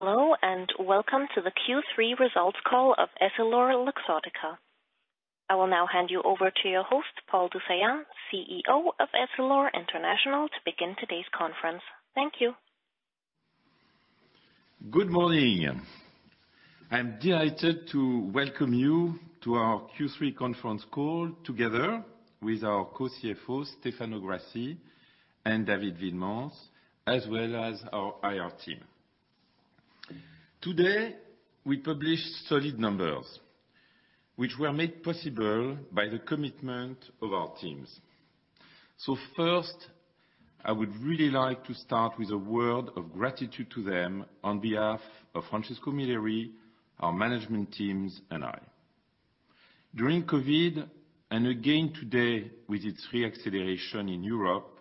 Hello, welcome to the Q3 results call of EssilorLuxottica. I will now hand you over to your host, Paul du Saillant, CEO of Essilor International, to begin today's conference. Thank you. Good morning. I'm delighted to welcome you to our Q3 conference call, together with our Co-CFOs, Stefano Grassi and David Wielemans, as well as our IR team. Today, we publish solid numbers which were made possible by the commitment of our teams. First, I would really like to start with a word of gratitude to them on behalf of Francesco Milleri, our management teams, and I. During COVID, and again today with its re-acceleration in Europe,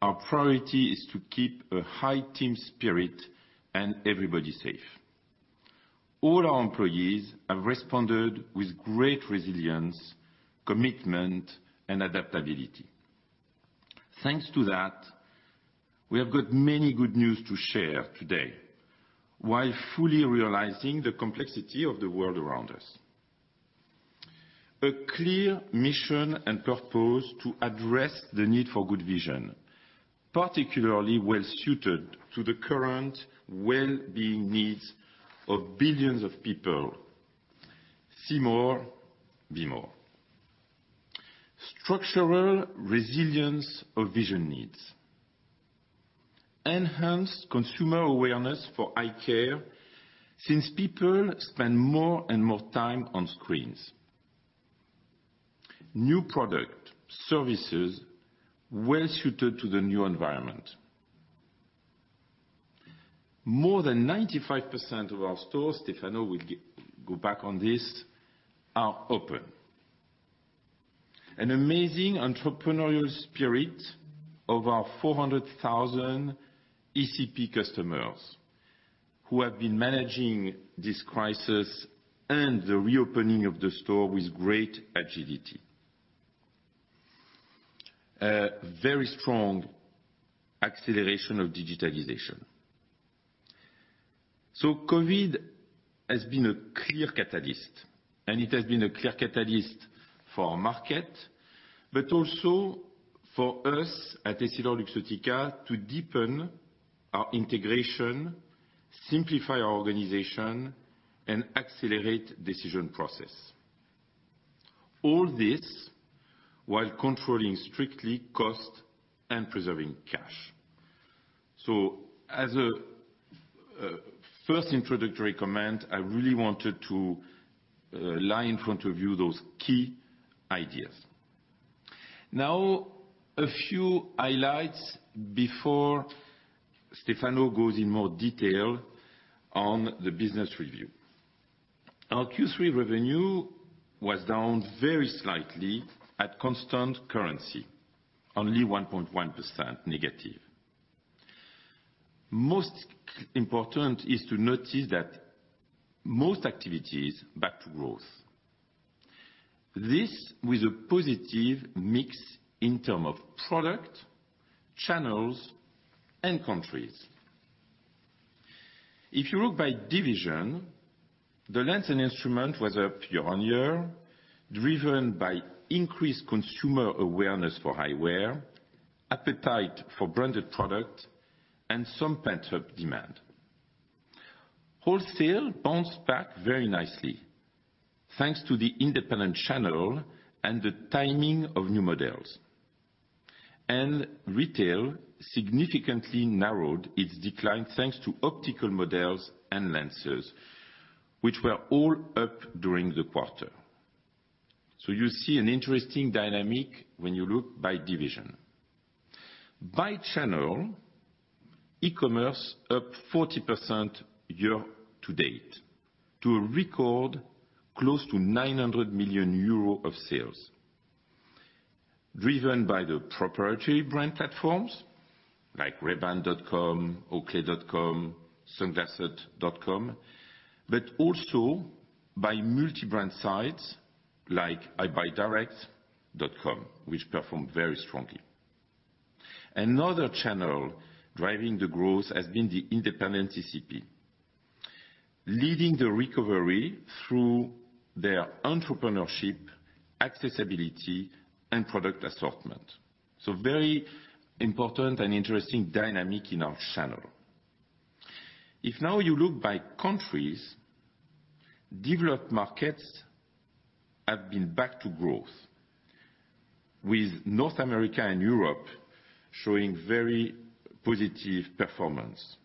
our priority is to keep a high team spirit and everybody safe. All our employees have responded with great resilience, commitment, and adaptability. Thanks to that, we have got many good news to share today, while fully realizing the complexity of the world around us. A clear mission and purpose to address the need for good vision, particularly well-suited to the current well-being needs of billions of people. See more, be more. Structural resilience of vision needs. Enhanced consumer awareness for eye care since people spend more and more time on screens. New product services, well-suited to the new environment. More than 95% of our stores, Stefano will go back on this, are open. An amazing entrepreneurial spirit of our 400,000 ECP customers who have been managing this crisis and the reopening of the store with great agility. A very strong acceleration of digitalization. COVID has been a clear catalyst, and it has been a clear catalyst for our market, but also for us at EssilorLuxottica to deepen our integration, simplify our organization, and accelerate decision process. All this while controlling strictly cost and preserving cash. As a first introductory comment, I really wanted to lie in front of you those key ideas. Now, a few highlights before Stefano goes in more detail on the business review. Our Q3 revenue was down very slightly at constant currency, only 1.1% negative. Most important is to notice that most activities back to growth. This with a positive mix in terms of product, channels, and countries. If you look by division, the lens and instrument was up year-over-year, driven by increased consumer awareness for eyewear, appetite for branded product, and some pent-up demand. Wholesale bounced back very nicely thanks to the independent channel and the timing of new models. Retail significantly narrowed its decline thanks to optical models and lenses, which were all up during the quarter. You see an interesting dynamic when you look by division. By channel, e-commerce up 40% year to date to a record close to 900 million euro of sales, driven by the proprietary brand platforms like rayban.com, oakley.com, sunglasshut.com, but also by multi-brand sites like eyebuydirect.com, which performed very strongly. Another channel driving the growth has been the independent ECP, leading the recovery through their entrepreneurship, accessibility, and product assortment. Very important and interesting dynamic in our channel. If now you look by countries, developed markets have been back to growth, with North America and Europe showing very positive performance.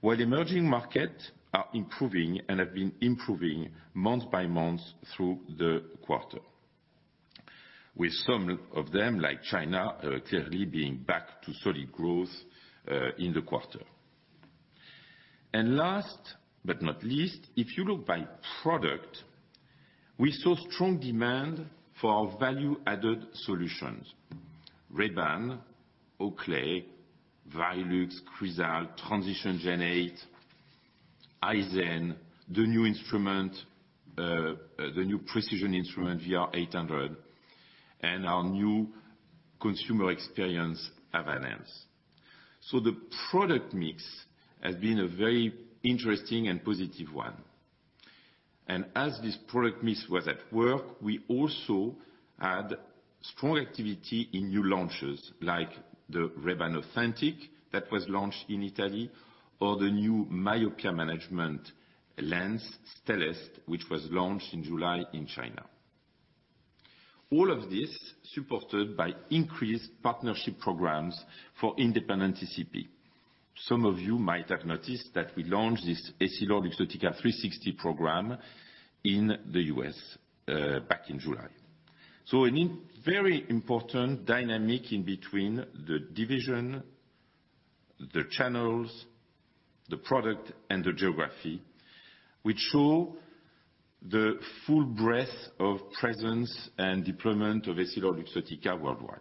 While emerging market are improving and have been improving month by month through the quarter, with some of them, like China, clearly being back to solid growth, in the quarter. Last but not least, if you look by product, we saw strong demand for our value-added solutions. Ray-Ban, Oakley, Varilux, Crizal, Transitions GEN 8, Eyezen, the new precision instrument, VR800. Our new consumer experience, Avancé. The product mix has been a very interesting and positive one. As this product mix was at work, we also had strong activity in new launches, like the Ray-Ban Authentic that was launched in Italy, or the new myopia management lens, Stellest, which was launched in July in China. All of this supported by increased partnership programs for independent ECP. Some of you might have noticed that we launched this EssilorLuxottica 360 program in the U.S. back in July. A very important dynamic in between the division, the channels, the product, and the geography, which show the full breadth of presence and deployment of EssilorLuxottica worldwide.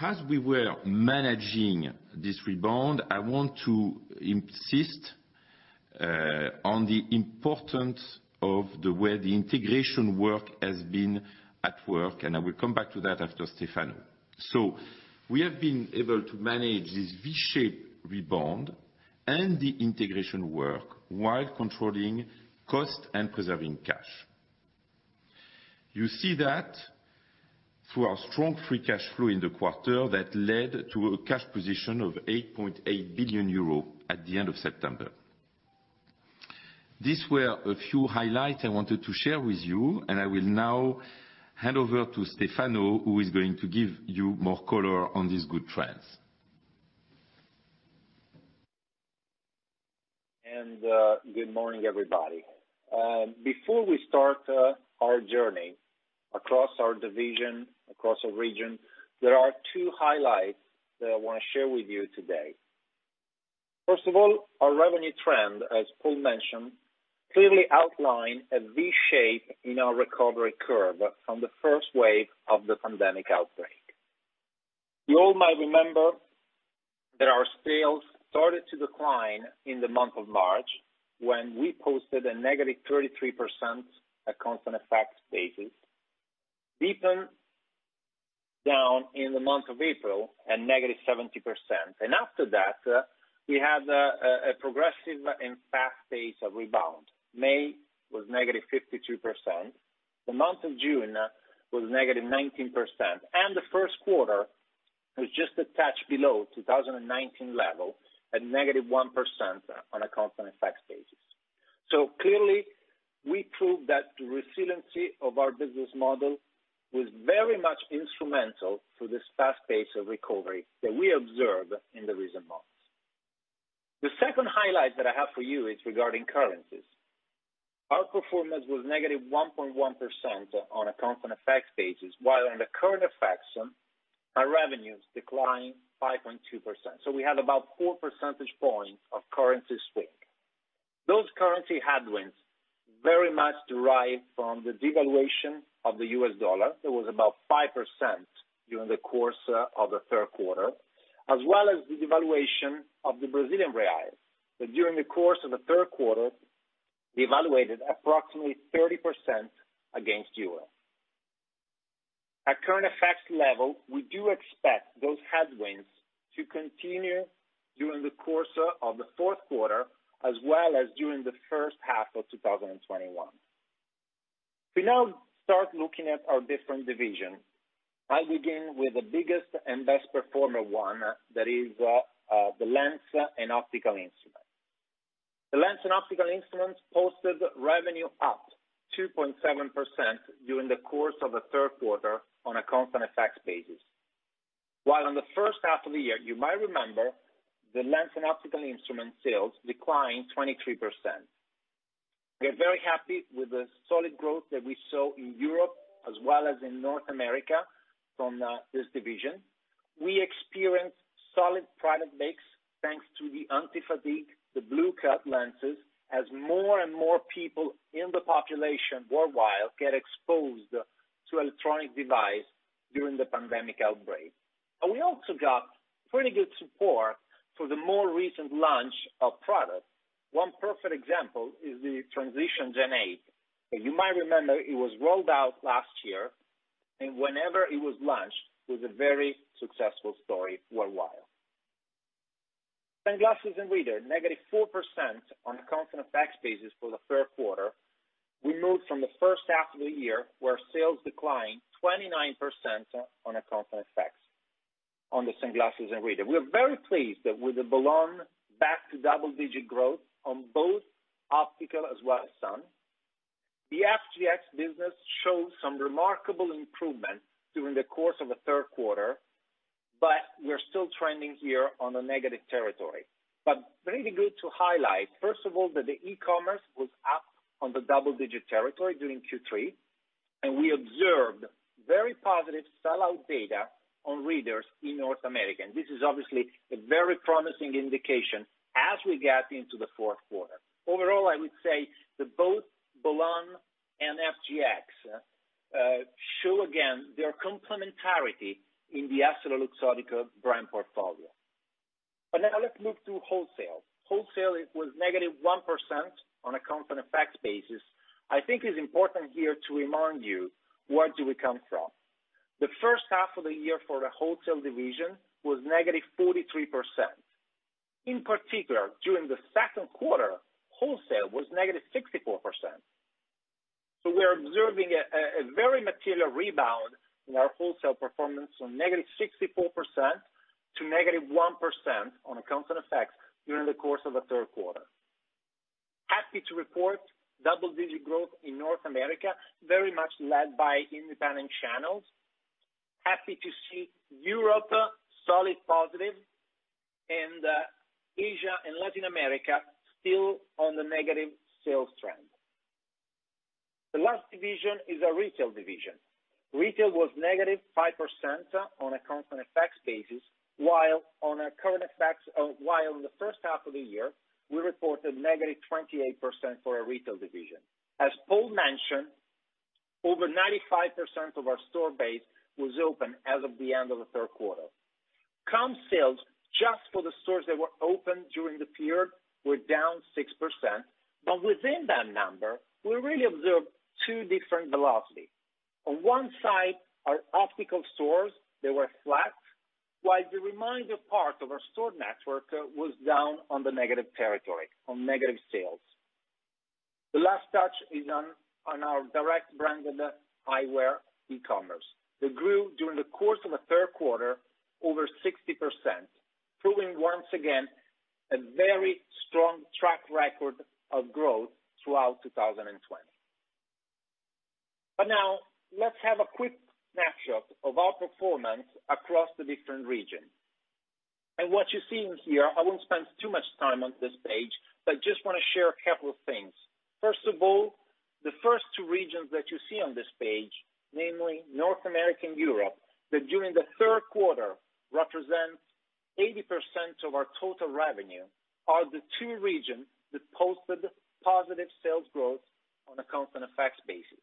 As we were managing this rebound, I want to insist on the importance of the way the integration work has been at work, and I will come back to that after Stefano. We have been able to manage this V-shaped rebound and the integration work while controlling cost and preserving cash. You see that through our strong free cash flow in the quarter that led to a cash position of 8.8 billion euro at the end of September. These were a few highlights I wanted to share with you, and I will now hand over to Stefano, who is going to give you more color on these good trends. Good morning, everybody. Before we start our journey across our division, across our region, there are two highlights that I want to share with you today. First of all, our revenue trend, as Paul mentioned, clearly outlined a V shape in our recovery curve from the first wave of the pandemic outbreak. You all might remember that our sales started to decline in the month of March, when we posted a -33% at constant FX basis, deepened down in the month of April at -70%. After that, we had a progressive and fast pace of rebound. May was -52%. The month of June was -19%, and the first quarter was just a touch below 2019 level at -1% on a constant FX basis. Clearly, we proved that the resiliency of our business model was very much instrumental to this fast pace of recovery that we observed in the recent months. The second highlight that I have for you is regarding currencies. Our performance was -1.1% on a constant FX basis, while on the current FX sum, our revenues declined 5.2%. We had about 4 percentage points of currency swing. Those currency headwinds very much derived from the devaluation of the U.S. dollar. It was about 5% during the course of the third quarter, as well as the devaluation of the Brazilian real. That during the course of the third quarter, devaluated approximately 30% against euro. At current FX level, we do expect those headwinds to continue during the course of the fourth quarter as well as during the first half of 2021. We now start looking at our different divisions. I'll begin with the biggest and best performer one, that is the lens and optical instrument. The lens and optical instruments posted revenue up 2.7% during the course of the third quarter on a constant FX basis. While in the first half of the year, you might remember, the lens and optical instrument sales declined 23%. We are very happy with the solid growth that we saw in Europe as well as in North America from this division. We experienced solid product mix thanks to the anti-fatigue, the blue cut lenses, as more and more people in the population worldwide get exposed to electronic device during the pandemic outbreak. We also got pretty good support for the more recent launch of products. One perfect example is the Transitions GEN 8. You might remember it was rolled out last year, and whenever it was launched, it was a very successful story worldwide. Sunglasses and reader, -4% on a constant FX basis for the third quarter. We moved from the first half of the year, where sales declined 29% on a constant FX on the sunglasses and reader. We are very pleased that with the Bolon back to double-digit growth on both optical as well as sun. The FGX business showed some remarkable improvement during the course of the third quarter, but we're still trending here on a negative territory. Really good to highlight, first of all, that the e-commerce was up on the double-digit territory during Q3, and we observed very positive sell-out data on readers in North America. This is obviously a very promising indication as we get into the fourth quarter. Overall, I would say that both Bolon and FGX show again their complementarity in the EssilorLuxottica brand portfolio. Now let's move to wholesale. Wholesale, it was -1% on a constant FX basis. I think it's important here to remind you, where do we come from? The first half of the year for the wholesale division was -43%. In particular, during the second quarter, wholesale was -64%. We are observing a very material rebound in our wholesale performance from -64% to -1% on a constant FX during the course of the third quarter. Happy to report double-digit growth in North America, very much led by independent channels. Happy to see Europe solid positive, and Asia and Latin America still on the negative sales trend. The last division is our retail division. Retail was -5% on a constant FX basis, while on the first half of the year, we reported -28% for our retail division. As Paul mentioned, over 95% of our store base was open as of the end of the third quarter. Comp sales just for the stores that were open during the period were down 6%. Within that number, we really observed two different velocities. On one side, our optical stores, they were flat, while the remaining part of our store network was down on the negative territory, on negative sales. The last touch is on our direct branded eyewear e-commerce that grew during the course of the third quarter over 60%, proving once again, a very strong track record of growth throughout 2020. Now let's have a quick snapshot of our performance across the different regions. I won't spend too much time on this page, but just want to share a couple of things. First of all, the first two regions that you see on this page, namely North America and Europe, that during the third quarter represents 80% of our total revenue, are the two regions that posted positive sales growth on a constant FX basis.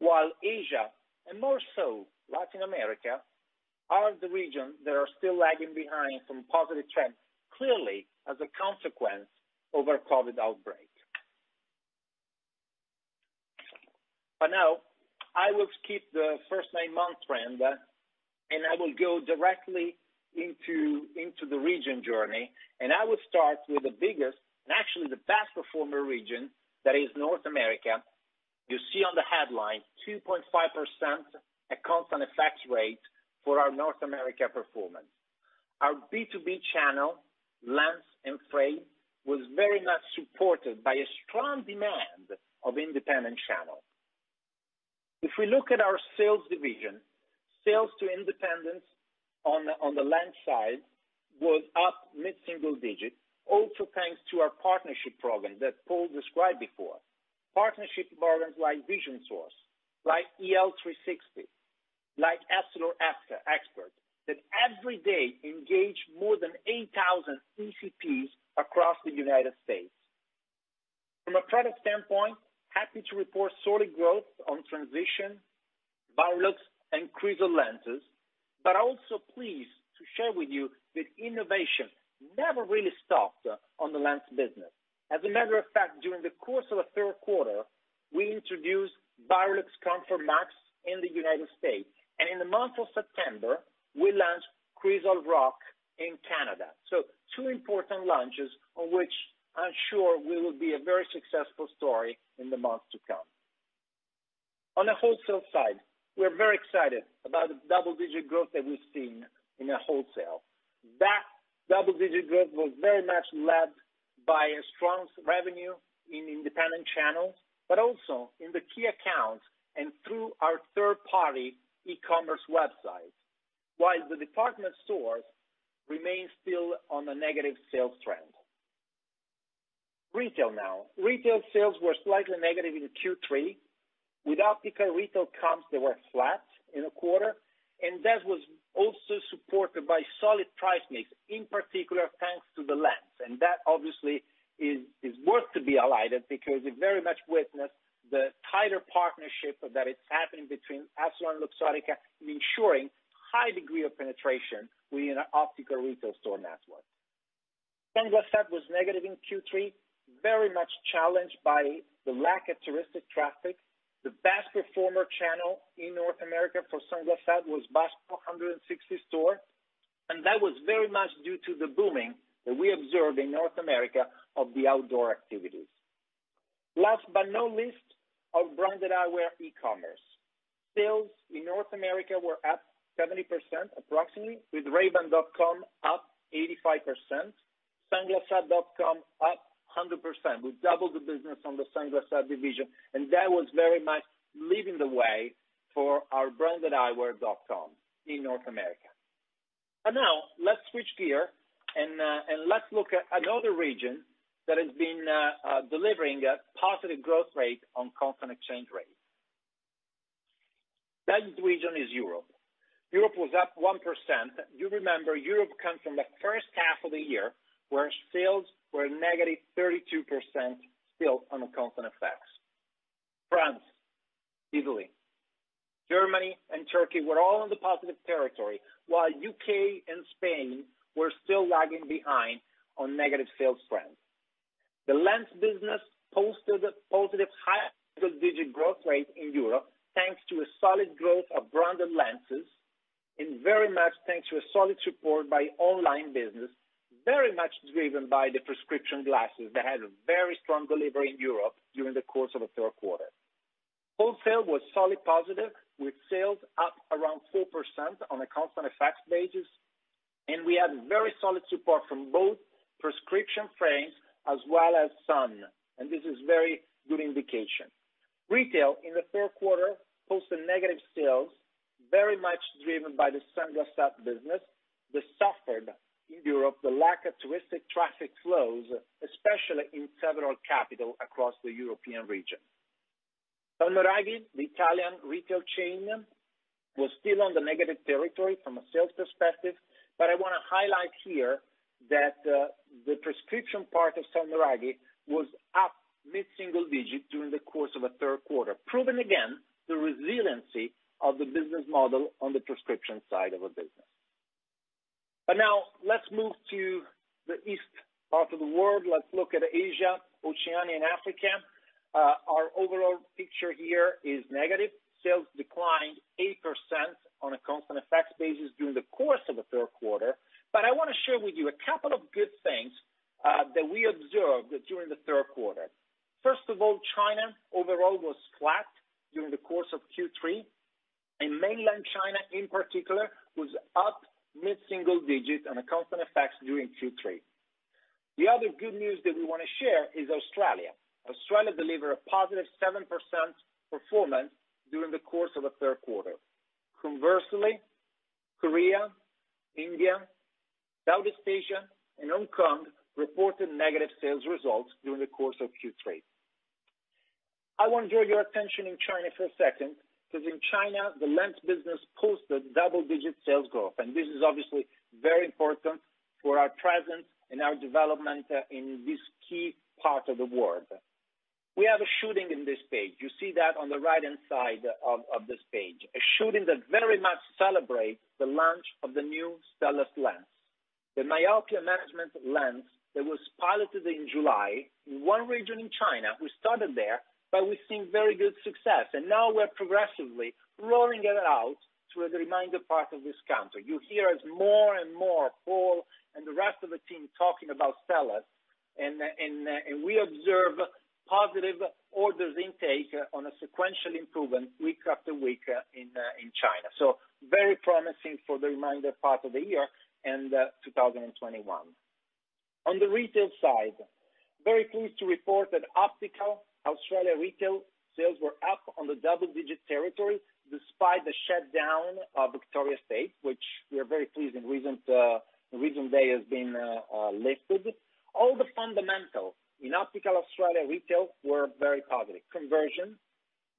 Asia, and more so Latin America, are the regions that are still lagging behind from positive trends, clearly as a consequence of our COVID outbreak. I will skip the first nine month trend, and I will go directly into the region journey. I will start with the biggest, and actually the best performer region, that is North America. You see on the headline, 2.5% at constant FX rate for our North America performance. Our B2B channel, lens and frame, was very much supported by a strong demand of independent channel. If we look at our sales division, sales to independents on the lens side was up mid-single digit. Also, thanks to our partnership program that Paul described before. Partnership programs like Vision Source, like EL 360, like Essilor Experts, that every day engage more than 8,000 ECPs across the United States. From a product standpoint, happy to report solid growth on Transitions, Varilux and Crizal lenses. Also pleased to share with you that innovation never really stopped on the lens business. As a matter of fact, during the course of the third quarter, we introduced Varilux Comfort Max in the United States, and in the month of September, we launched Crizal Rock in Canada. Two important launches on which I'm sure will be a very successful story in the months to come. On the wholesale side, we're very excited about the double-digit growth that we've seen in our wholesale. That double-digit growth was very much led by a strong revenue in independent channels, but also in the key accounts and through our third-party e-commerce websites. While the department stores remain still on a negative sales trend. Retail now. Retail sales were slightly negative in Q3. With optical retail comps, they were flat in the quarter, and that was also supported by solid price mix, in particular, thanks to the lens. That obviously is worth to be highlighted because it very much witnessed the tighter partnership that is happening between EssilorLuxottica in ensuring high degree of penetration within our optical retail store network. Sunglass Hut was negative in Q3, very much challenged by the lack of touristic traffic. The best performer channel in North America for Sunglass Hut was Bass Pro 160 store, that was very much due to the booming that we observed in North America of the outdoor activities. Last but not least, our branded eyewear e-commerce. Sales in North America were up 70% approximately, with rayban.com up 85%, sunglasshut.com up 100%. We doubled the business on the Sunglass Hut division, that was very much leading the way for our brandedeyewear.com in North America. Now let's switch gear and let's look at another region that has been delivering a positive growth rate on constant exchange rate. That region is Europe. Europe was up 1%. You remember, Europe comes from the first half of the year, where sales were negative 32%, still on a constant FX. Italy, Germany, and Turkey were all in the positive territory, while U.K. and Spain were still lagging behind on negative sales trends. The lens business posted positive high single-digit growth rate in Europe, thanks to a solid growth of branded lenses, and very much thanks to a solid support by online business, very much driven by the prescription glasses that had a very strong delivery in Europe during the course of the third quarter. Wholesale was solid positive, with sales up around 4% on a constant FX basis. We had very solid support from both prescription frames as well as sun. This is very good indication. Retail in the third quarter posted negative sales, very much driven by the sunglasses business that suffered in Europe the lack of touristic traffic flows, especially in several capital across the European region. Salmoiraghi, the Italian retail chain, was still on the negative territory from a sales perspective, I want to highlight here that the prescription part of Salmoiraghi was up mid-single digit during the course of the third quarter, proving again the resiliency of the business model on the prescription side of the business. Now let's move to the east part of the world. Let's look at Asia, Oceania, and Africa. Our overall picture here is negative. Sales declined 8% on a constant FX basis during the course of the third quarter, but I want to share with you a couple of good things that we observed during the third quarter. First of all, China overall was flat during the course of Q3, and mainland China, in particular, was up mid-single digits on a constant FX during Q3. The other good news that we want to share is Australia. Australia delivered a +7% performance during the course of the third quarter. Conversely, Korea, India, Southeast Asia, and Hong Kong reported negative sales results during the course of Q3. I want to draw your attention in China for a second, because in China, the lens business posted double-digit sales growth, and this is obviously very important for our presence and our development in this key part of the world. We have a showing in this page. You see that on the right-hand side of this page, a showing that very much celebrates the launch of the new Stellest lens. The myopia management lens that was piloted in July in one region in China. We started there, but we've seen very good success, and now we're progressively rolling it out to the remainder part of this country. You'll hear us more and more, Paul and the rest of the team talking about Stellest, and we observe positive orders intake on a sequential improvement week after week in China. Very promising for the remainder part of the year and 2021. On the retail side, very pleased to report that optical Australia retail sales were up on the double-digit territory despite the shutdown of Victoria State, which we are very pleased in recent day has been lifted. All the fundamentals in optical Australia retail were very positive, conversion,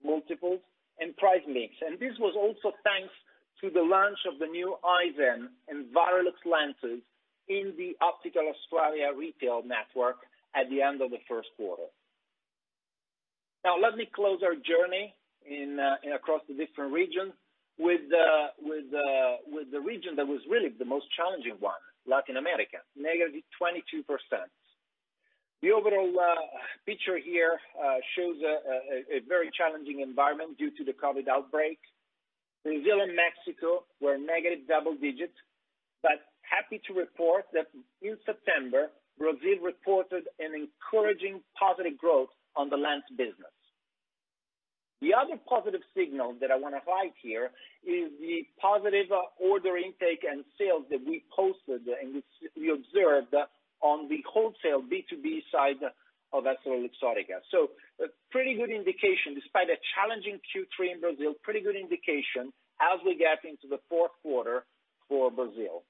multiples, and price mix. This was also thanks to the launch of the new Eyezen and Varilux lenses in the optical Australia retail network at the end of the first quarter. Let me close our journey across the different regions with the region that was really the most challenging one, Latin America, -22%. The overall picture here shows a very challenging environment due to the COVID outbreak. Brazil and Mexico were negative double digits, but happy to report that in September, Brazil reported an encouraging positive growth on the lens business. The other positive signal that I want to highlight here is the positive order intake and sales that we posted and we observed on the wholesale B2B side of EssilorLuxottica. A pretty good indication despite a challenging Q3 in Brazil, pretty good indication as we get into the fourth quarter for Brazil.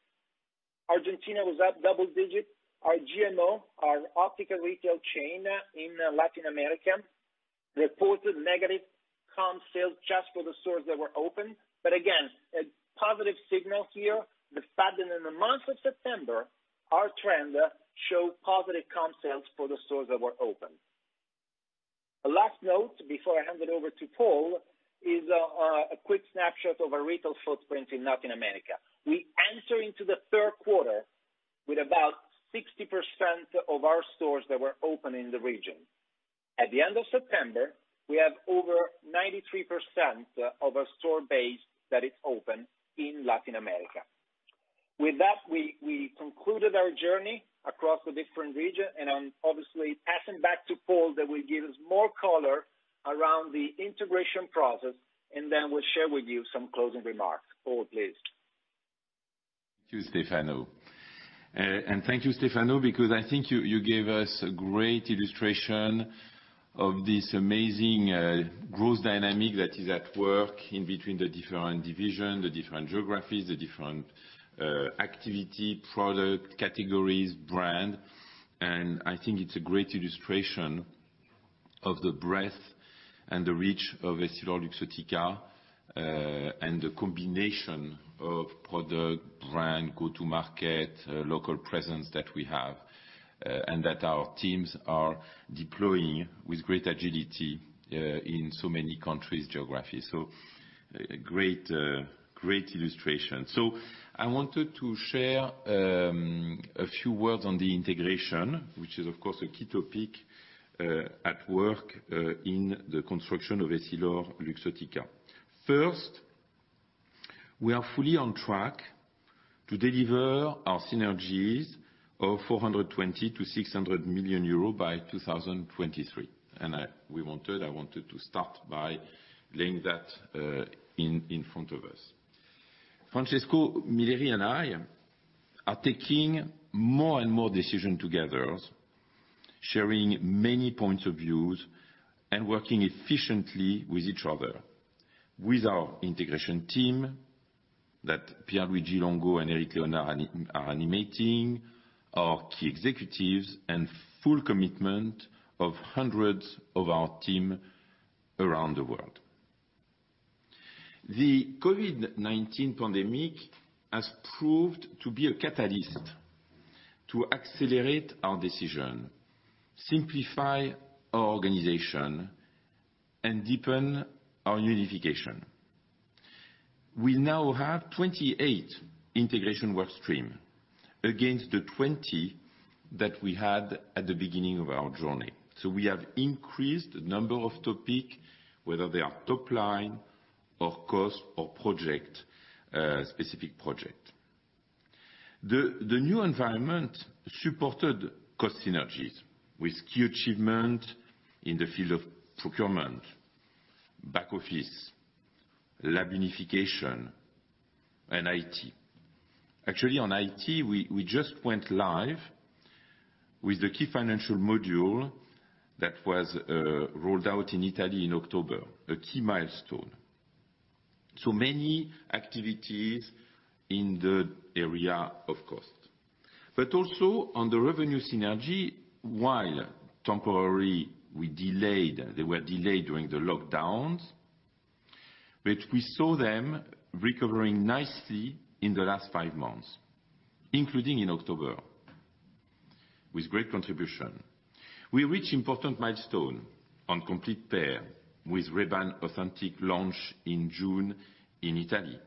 Argentina was up double digits. Our GMO, our optical retail chain in Latin America, reported negative comp sales just for the stores that were open. Again, a positive signal here that starting in the month of September, our trend showed positive comp sales for the stores that were open. Last note before I hand it over to Paul is a quick snapshot of our retail footprint in Latin America. We enter into the third quarter with about 60% of our stores that were open in the region. At the end of September, we have over 93% of our store base that is open in Latin America. With that, we concluded our journey across the different region, and I'm obviously passing back to Paul that will give us more color around the integration process, and then will share with you some closing remarks. Paul, please. Thank you, Stefano. Thank you, Stefano, because I think you gave us a great illustration of this amazing growth dynamic that is at work in between the different divisions, the different geographies, the different activities, product categories, brands. I think it's a great illustration of the breadth and the reach of EssilorLuxottica, and the combination of product, brand, go-to market, local presence that we have. That our teams are deploying with great agility in so many countries geographies. Great illustration. I wanted to share a few words on the integration, which is, of course, a key topic, at work, in the construction of EssilorLuxottica. First, we are fully on track to deliver our synergies of 420 million-600 million euros by 2023. I wanted to start by laying that in front of us. Francesco Milleri and I are taking more and more decision together, sharing many points of views, and working efficiently with each other with our integration team that Pierluigi Longo and Eric Léonard are animating, our key executives and full commitment of hundreds of our team around the world. The COVID-19 pandemic has proved to be a catalyst to accelerate our decision, simplify our organization, and deepen our unification. We now have 28 integration work stream against the 20 that we had at the beginning of our journey. We have increased the number of topic, whether they are top line or cost or project, specific project. The new environment supported cost synergies with key achievement in the field of procurement, back office, lab unification and IT. On IT, we just went live with the key financial module that was rolled out in Italy in October, a key milestone. Many activities in the area of cost. Also on the revenue synergy, while temporary, they were delayed during the lockdowns, but we saw them recovering nicely in the last five months, including in October with great contribution. We reach important milestone on complete pair with Ray-Ban Authentic launch in June in Italy.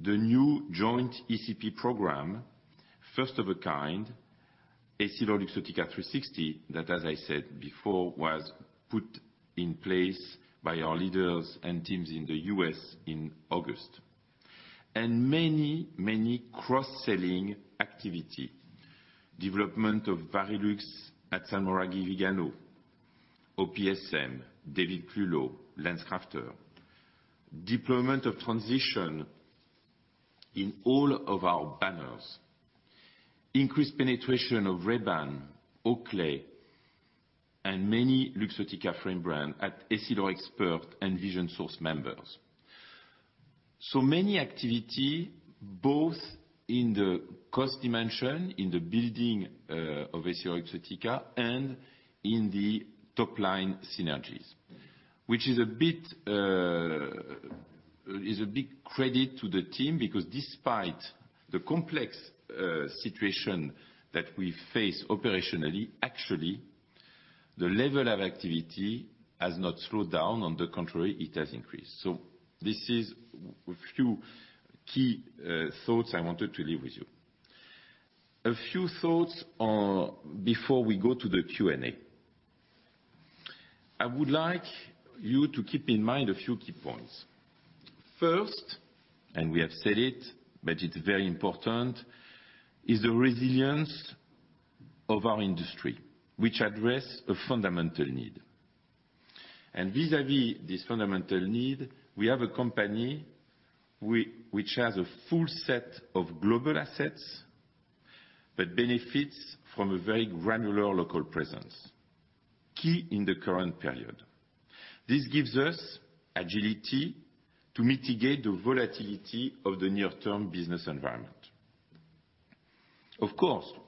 The new joint ECP program, first of a kind, EssilorLuxottica 360 that, as I said before, was put in place by our leaders and teams in the U.S. in August. Many, many cross-selling activity, development of Varilux at Salmoiraghi & Viganò, OPSM, David Clulow, LensCrafters. Deployment of Transitions in all of our banners. Increased penetration of Ray-Ban, Oakley, and many Luxottica frame brand at Essilor Experts and Vision Source members. Many activity both in the cost dimension, in the building of EssilorLuxottica and in the top line synergies, which is a big credit to the team because despite the complex situation that we face operationally, actually, the level of activity has not slowed down. On the contrary, it has increased. This is a few key thoughts I wanted to leave with you. A few thoughts before we go to the Q&A. I would like you to keep in mind a few key points. First, and we have said it, but it's very important, is the resilience of our industry, which address a fundamental need. Vis-à-vis this fundamental need, we have a company which has a full set of global assets but benefits from a very granular local presence, key in the current period. This gives us agility to mitigate the volatility of the near-term business environment.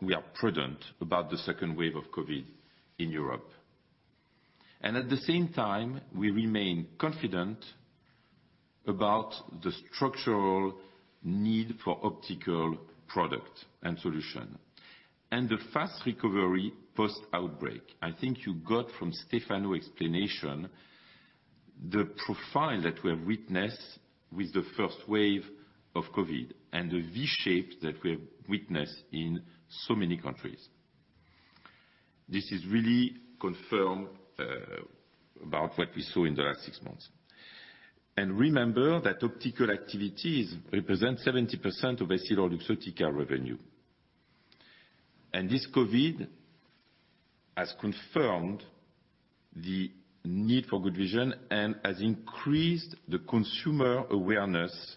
We are prudent about the second wave of COVID in Europe. At the same time, we remain confident about the structural need for optical product and solution and the fast recovery post-outbreak. I think you got from Stefano explanation the profile that we have witnessed with the first wave of COVID and the V shape that we have witnessed in so many countries. This is really confirmed about what we saw in the last six months. Remember that optical activities represent 70% of EssilorLuxottica revenue. This COVID has confirmed the need for good vision and has increased the consumer awareness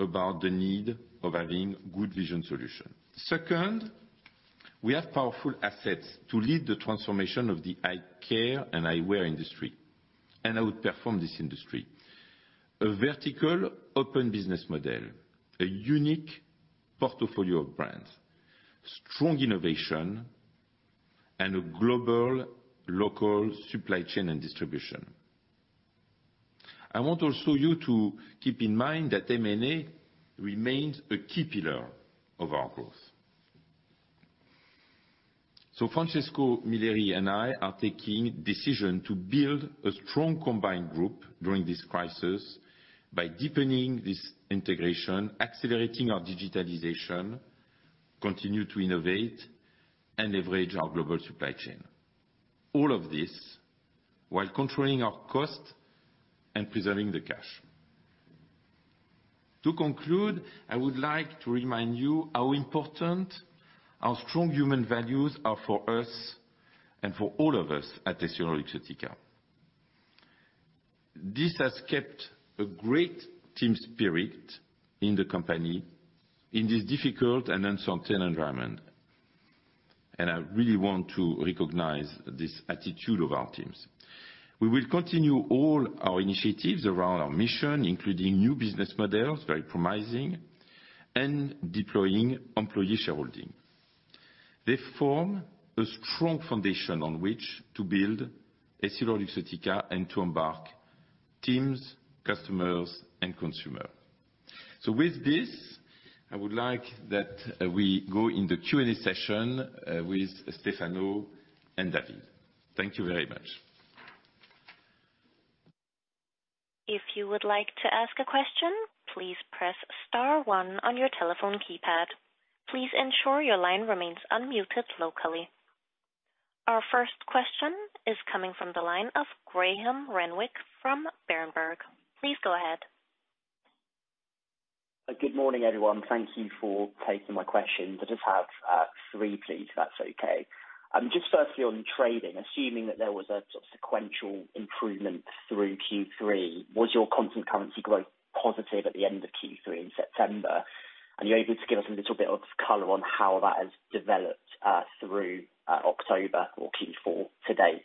about the need of having good vision solution. Second, we have powerful assets to lead the transformation of the eye care and eyewear industry and outperform this industry. A vertical open business model, a unique portfolio of brands, strong innovation, and a global local supply chain and distribution. I want also you to keep in mind that M&A remains a key pillar of our growth. Francesco Milleri and I are taking decision to build a strong combined group during this crisis by deepening this integration, accelerating our digitalization, continue to innovate, and leverage our global supply chain. All of this while controlling our cost and preserving the cash. To conclude, I would like to remind you how important our strong human values are for us and for all of us at EssilorLuxottica. This has kept a great team spirit in the company in this difficult and uncertain environment, and I really want to recognize this attitude of our teams. We will continue all our initiatives around our mission, including new business models, very promising, and deploying employee shareholding. They form a strong foundation on which to build EssilorLuxottica and to embark teams, customers, and consumer. With this, I would like that we go in the Q&A session with Stefano and David. Thank you very much. If you would like to ask a question, please press star one on your telephone keypad. Please ensure your line remains unmuted locally. Our first question is coming from the line of Graham Renwick from Berenberg. Please go ahead. Good morning, everyone. Thank you for taking my questions. I just have three please, if that's okay. Firstly on trading, assuming that there was a sequential improvement through Q3, was your constant currency growth positive at the end of Q3 in September? You're able to give us a little bit of color on how that has developed through October or Q4 to date.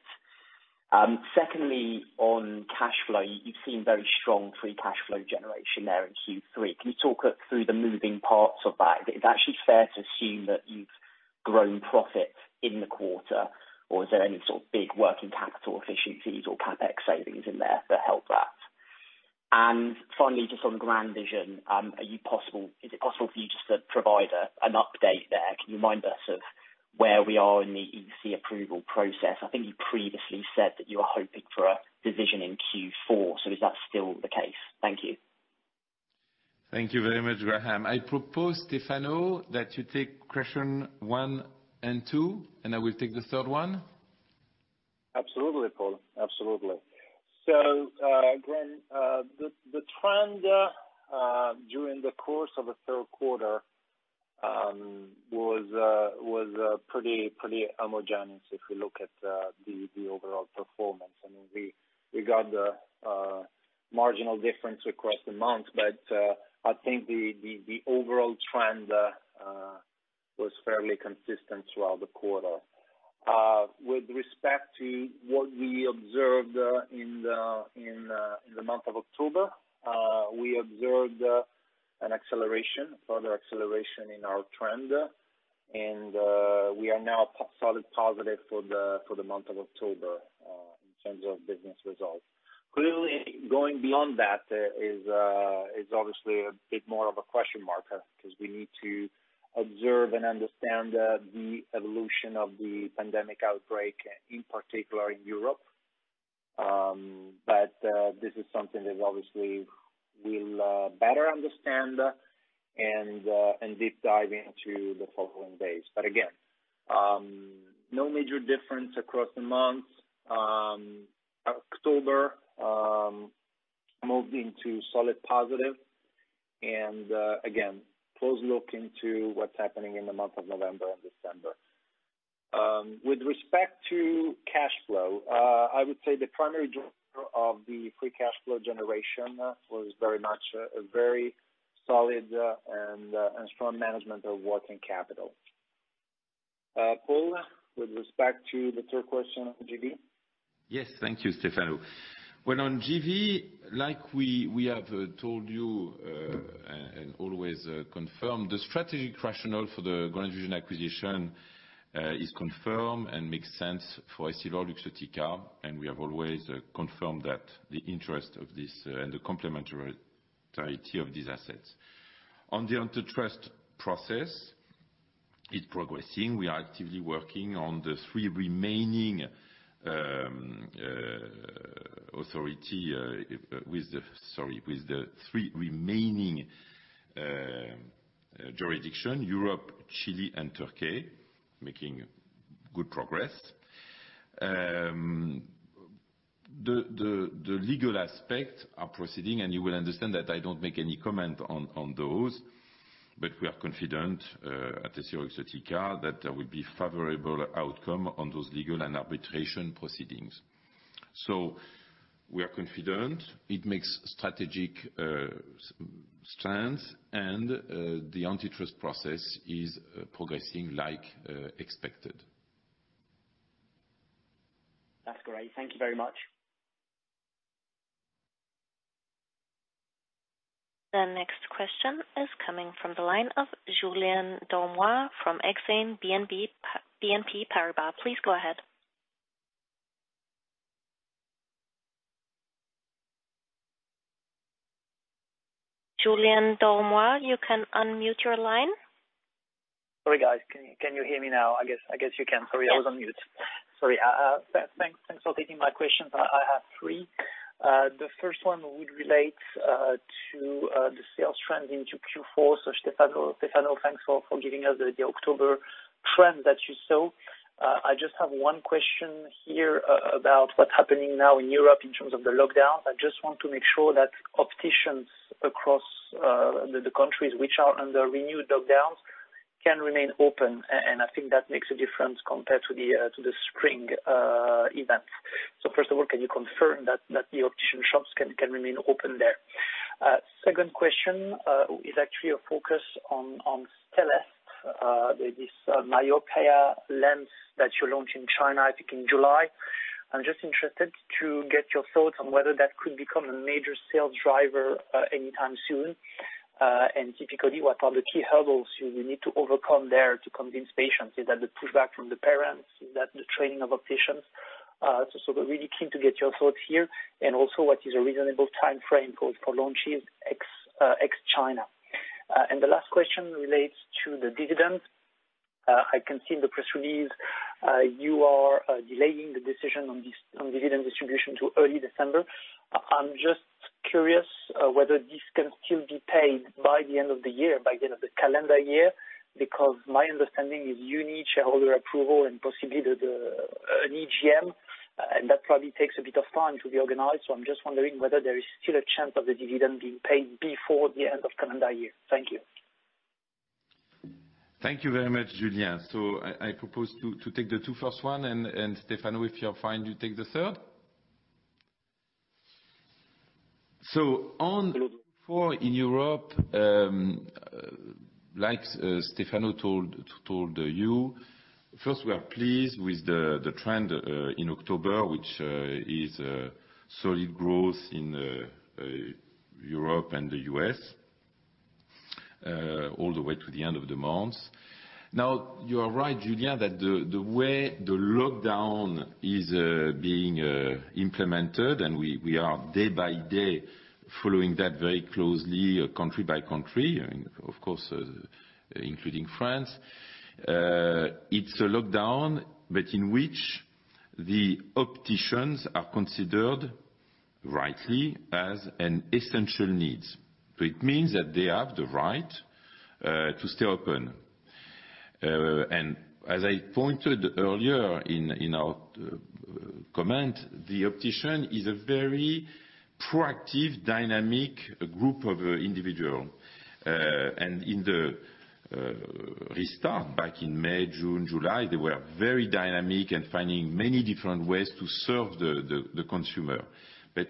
Secondly, on cash flow, you've seen very strong free cash flow generation there in Q3. Can you talk us through the moving parts of that? Is it actually fair to assume that you've grown profits in the quarter, or is there any sort of big working capital efficiencies or CapEx savings in there that help that? Finally, just on GrandVision, is it possible for you just to provide an update there? Can you remind us of where we are in the EC approval process? I think you previously said that you were hoping for a decision in Q4. Is that still the case? Thank you. Thank you very much, Graham. I propose, Stefano, that you take question one and two, and I will take the third one. Absolutely, Paul. Absolutely. Graham, the trend during the course of the third quarter was pretty homogeneous if we look at the overall performance. We got a marginal difference across the months, but I think the overall trend was fairly consistent throughout the quarter. With respect to what we observed in the month of October, we observed a further acceleration in our trend, and we are now solid positive for the month of October in terms of business results. Clearly, going beyond that is obviously a bit more of a question mark, because we need to observe and understand the evolution of the pandemic outbreak, in particular in Europe. This is something that obviously we'll better understand and deep dive into the following days. Again, no major difference across the months. October moved into solid positive, again, close look into what's happening in the month of November and December. With respect to cash flow, I would say the primary driver of the free cash flow generation was very much a very solid and strong management of working capital. Paul, with respect to the third question on GV? Yes. Thank you, Stefano. On GV, like we have told you, and always confirm, the strategic rationale for the GrandVision acquisition is confirmed and makes sense for EssilorLuxottica. We have always confirmed that the interest of this and the complementarity of these assets. On the antitrust process, it's progressing. We are actively working on the three remaining authority with the three remaining jurisdiction, Europe, Chile, and Turkey, making good progress. The legal aspects are proceeding. You will understand that I don't make any comment on those. We are confident at EssilorLuxottica that there will be favorable outcome on those legal and arbitration proceedings. We are confident it makes strategic sense. The antitrust process is progressing like expected. That's great. Thank you very much. The next question is coming from the line of Julien Dormois from Exane BNP Paribas. Please go ahead. Julien Dormois, you can unmute your line. Sorry, guys. Can you hear me now? I guess you can. Sorry, I was on mute. Sorry. Thanks for taking my questions. I have three. The first one would relate to the sales trends into Q4. Stefano, thanks for giving us the October trends that you saw. I just have one question here about what's happening now in Europe in terms of the lockdown. I just want to make sure that opticians across the countries which are under renewed lockdowns can remain open. I think that makes a difference compared to the spring events. First of all, can you confirm that the optician shops can remain open there? Second question is actually a focus on Stellest. This myopia lens that you launched in China, I think in July. I'm just interested to get your thoughts on whether that could become a major sales driver anytime soon. Typically, what are the key hurdles you will need to overcome there to convince patients? Is that the pushback from the parents? Is that the training of opticians? Sort of really keen to get your thoughts here, and also what is a reasonable timeframe goal for launches ex China. The last question relates to the dividend. I can see in the press release, you are delaying the decision on dividend distribution to early December. I'm just curious whether this can still be paid by the end of the year, by end of the calendar year, because my understanding is you need shareholder approval and possibly an EGM, and that probably takes a bit of time to be organized. I'm just wondering whether there is still a chance of the dividend being paid before the end of calendar year. Thank you. Thank you very much, Julien. I propose to take the two first one, and Stefano, if you are fine, you take the third. On four in Europe, like Stefano told you, first we are pleased with the trend in October, which is solid growth in Europe and the U.S. all the way to the end of the month. You are right, Julien, that the way the lockdown is being implemented, and we are day by day following that very closely country by country, of course, including France. It is a lockdown, but in which the opticians are considered, rightly, as an essential needs. It means that they have the right to stay open. As I pointed earlier in our comment, the optician is a very proactive, dynamic group of individual. In the restart back in May, June, July, they were very dynamic and finding many different ways to serve the consumer.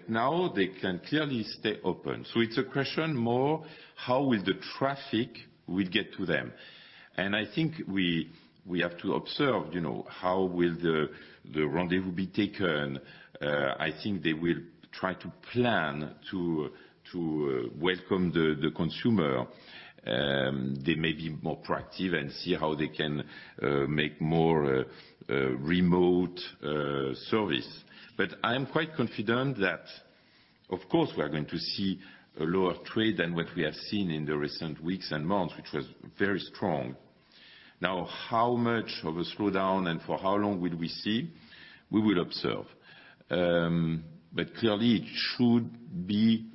Now they can clearly stay open. It's a question more how will the traffic will get to them. I think we have to observe how will the rendezvous be taken. I think they will try to plan to welcome the consumer. They may be more proactive and see how they can make more remote service. I am quite confident that, of course, we are going to see a lower trade than what we have seen in the recent weeks and months, which was very strong. Now, how much of a slowdown and for how long will we see? We will observe. Clearly, it should be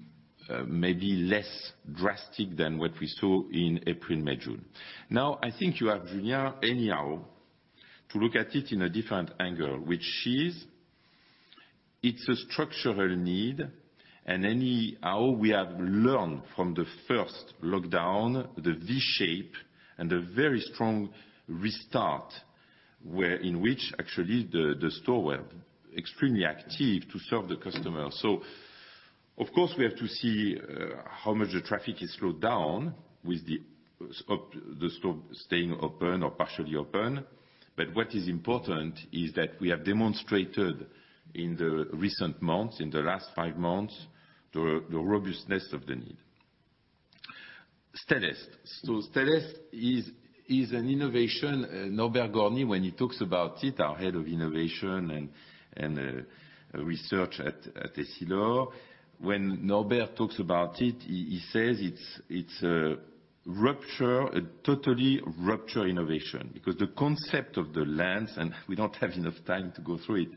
maybe less drastic than what we saw in April, May, June. I think you have, Julien, anyhow, to look at it in a different angle, which is, it's a structural need, and anyhow, we have learned from the first lockdown, the V shape, and the very strong restart, in which actually the store were extremely active to serve the customer. Of course, we have to see how much the traffic is slowed down with the store staying open or partially open. What is important is that we have demonstrated in the recent months, in the last five months, the robustness of the need. Stellest. Stellest is an innovation. Norbert Gorny, when he talks about it, our head of innovation and research at Essilor, when Norbert talks about it, he says it's a totally rupture innovation, because the concept of the lens, and we don't have enough time to go through it.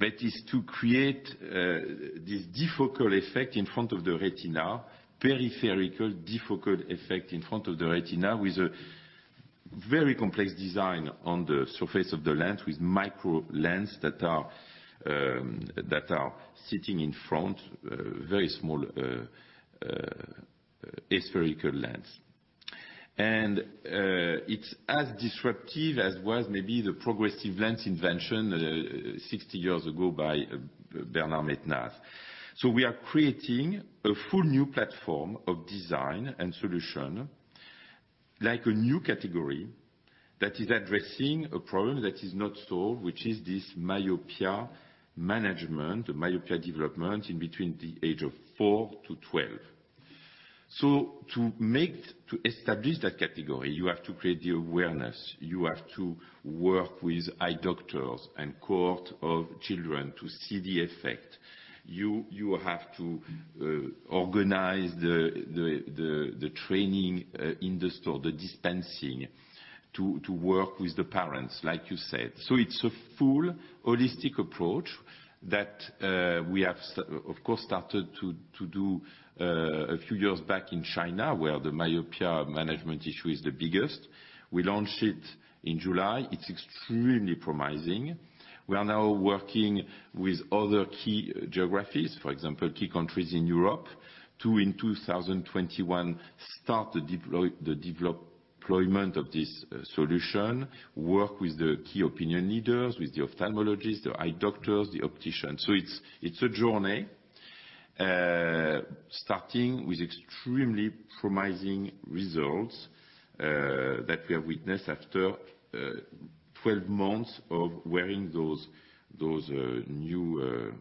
It's to create this defocal effect in front of the retina, peripheral defocal effect in front of the retina with a very complex design on the surface of the lens with microlens that are sitting in front, very small aspherical lens. It's as disruptive as was maybe the progressive lens invention 60 years ago by Bernard Maitenaz. We are creating a full new platform of design and solution, like a new category that is addressing a problem that is not solved, which is this myopia management, myopia development in between the age of 4-12. To establish that category, you have to create the awareness. You have to work with eye doctors and cohort of children to see the effect. You have to organize the training in the store, the dispensing to work with the parents, like you said. It's a full holistic approach that we have, of course, started to do a few years back in China, where the myopia management issue is the biggest. We launched it in July. It's extremely promising. We are now working with other key geographies, for example, key countries in Europe to, in 2021, start the deployment of this solution, work with the key opinion leaders, with the ophthalmologists, the eye doctors, the opticians. It's a journey, starting with extremely promising results that we have witnessed after 12 months of wearing those new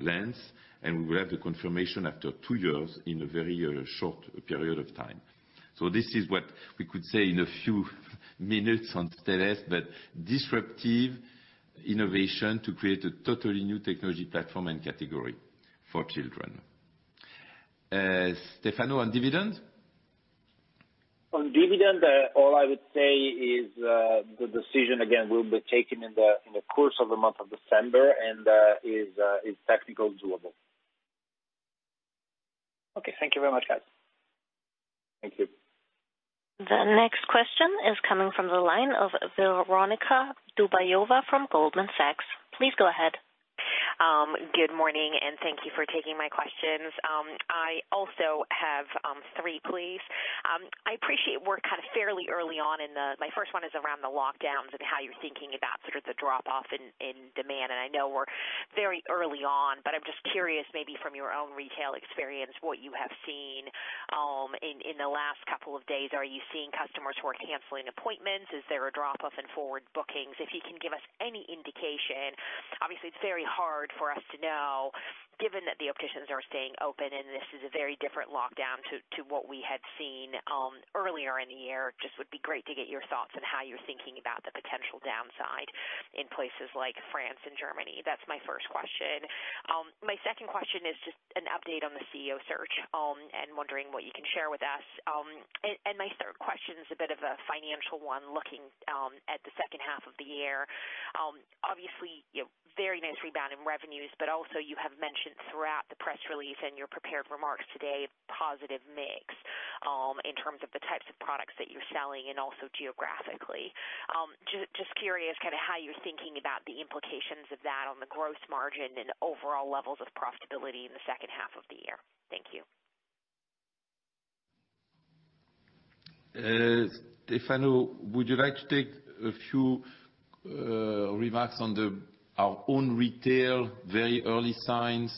lens. We will have the confirmation after two years in a very short period of time. This is what we could say in a few minutes on Stellest, but disruptive innovation to create a totally new technology platform and category for children. Stefano, on dividend? On dividend, all I would say is, the decision again, will be taken in the course of the month of December and is technical doable. Okay. Thank you very much, guys. Thank you. The next question is coming from the line of Veronika Dubajova from Goldman Sachs. Please go ahead. Good morning. Thank you for taking my questions. I also have three, please. I appreciate we're kind of fairly early on. My first one is around the lockdowns and how you're thinking about sort of the drop-off in demand. I know we're very early on, but I'm just curious maybe from your own retail experience, what you have seen in the last couple of days. Are you seeing customers who are canceling appointments? Is there a drop-off in forward bookings? If you can give us any indication. Obviously, it's very hard for us to know given that the opticians are staying open, and this is a very different lockdown to what we had seen earlier in the year. It would be great to get your thoughts on how you're thinking about the potential downside in places like France and Germany. That's my first question. My second question is just an update on the CEO search, wondering what you can share with us. My third question is a bit of a financial one, looking at the second half of the year. Obviously, very nice rebound in revenues, also you have mentioned throughout the press release and your prepared remarks today, positive mix in terms of the types of products that you're selling and also geographically. Just curious kind of how you're thinking about the implications of that on the gross margin and overall levels of profitability in the second half of the year. Thank you. Stefano, would you like to take a few remarks on our own retail, very early signs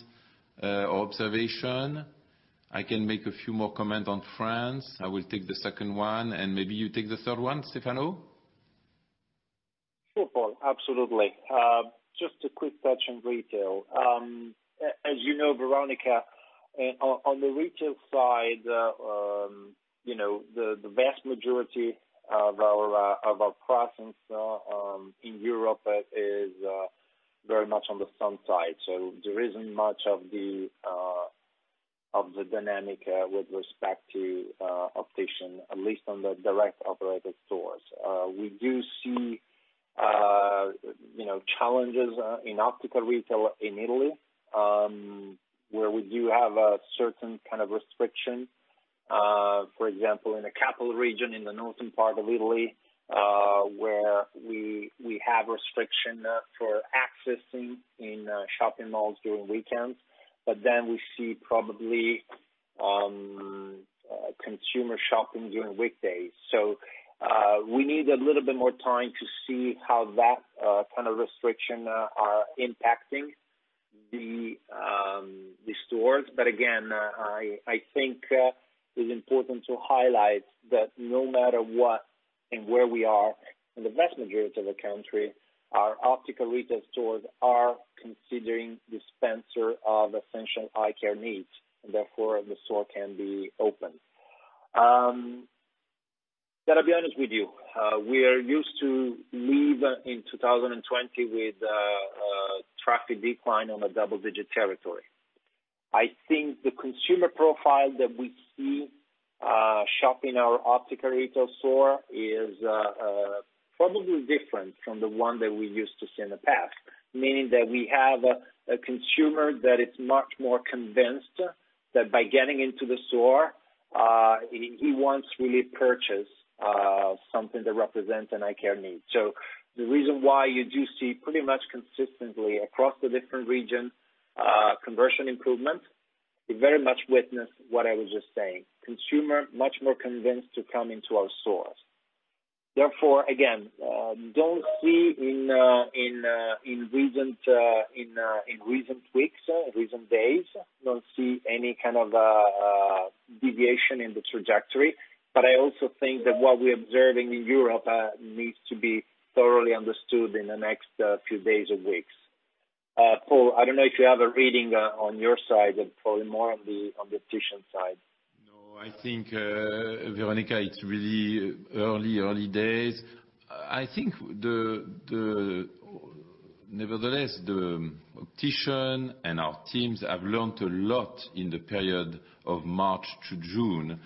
or observation? I can make a few more comments on France. I will take the second one, and maybe you take the third one, Stefano. Sure, Paul. Absolutely. Just a quick touch on retail. As you know, Veronika, on the retail side, the vast majority of our presence in Europe is very much on the sun side. There isn't much of the dynamic with respect to optician, at least on the direct operated stores. We do see challenges in optical retail in Italy, where we do have a certain kind of restriction. For example, in the capital region in the northern part of Italy, where we have restriction for accessing in shopping malls during weekends. We see probably consumer shopping during weekdays. We need a little bit more time to see how that kind of restriction are impacting the stores. Again, I think it's important to highlight that no matter what and where we are in the vast majority of the country, our optical retail stores are considering dispenser of essential eye care needs, and therefore the store can be open. Got to be honest with you, we are used to live in 2020 with a traffic decline on a double-digit territory. I think the consumer profile that we see shopping our optical retail store is probably different from the one that we used to see in the past. Meaning that we have a consumer that is much more convinced that by getting into the store, he wants really purchase something that represents an eye care need. The reason why you do see pretty much consistently across the different region, conversion improvement, it very much witness what I was just saying. Consumer much more convinced to come into our stores. Again, don't see in recent weeks, recent days, don't see any kind of deviation in the trajectory. I also think that what we're observing in Europe needs to be thoroughly understood in the next few days or weeks. Paul, I don't know if you have a reading on your side, probably more on the optician side. I think, Veronika, it's really early days. I think nevertheless, the optician and our teams have learnt a lot in the period of March to June.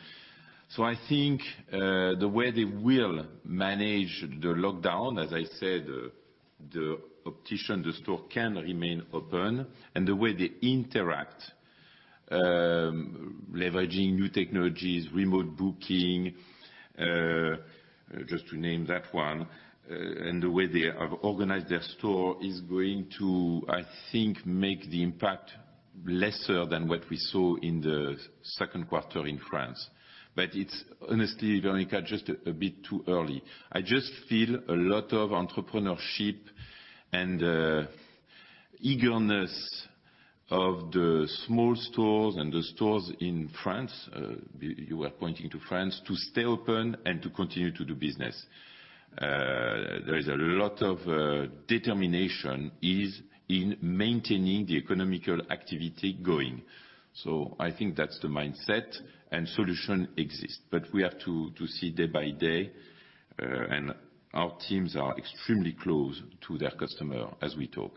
I think, the way they will manage the lockdown, as I said, the optician, the store can remain open. The way they interact, leveraging new technologies, remote booking, just to name that one, and the way they have organized their store is going to, I think, make the impact lesser than what we saw in the second quarter in France. It's honestly, Veronika, just a bit too early. I just feel a lot of entrepreneurship and eagerness of the small stores and the stores in France, you were pointing to France, to stay open and to continue to do business. There is a lot of determination is in maintaining the economical activity going. I think that's the mindset and solution exists. We have to see day by day, and our teams are extremely close to their customer as we talk.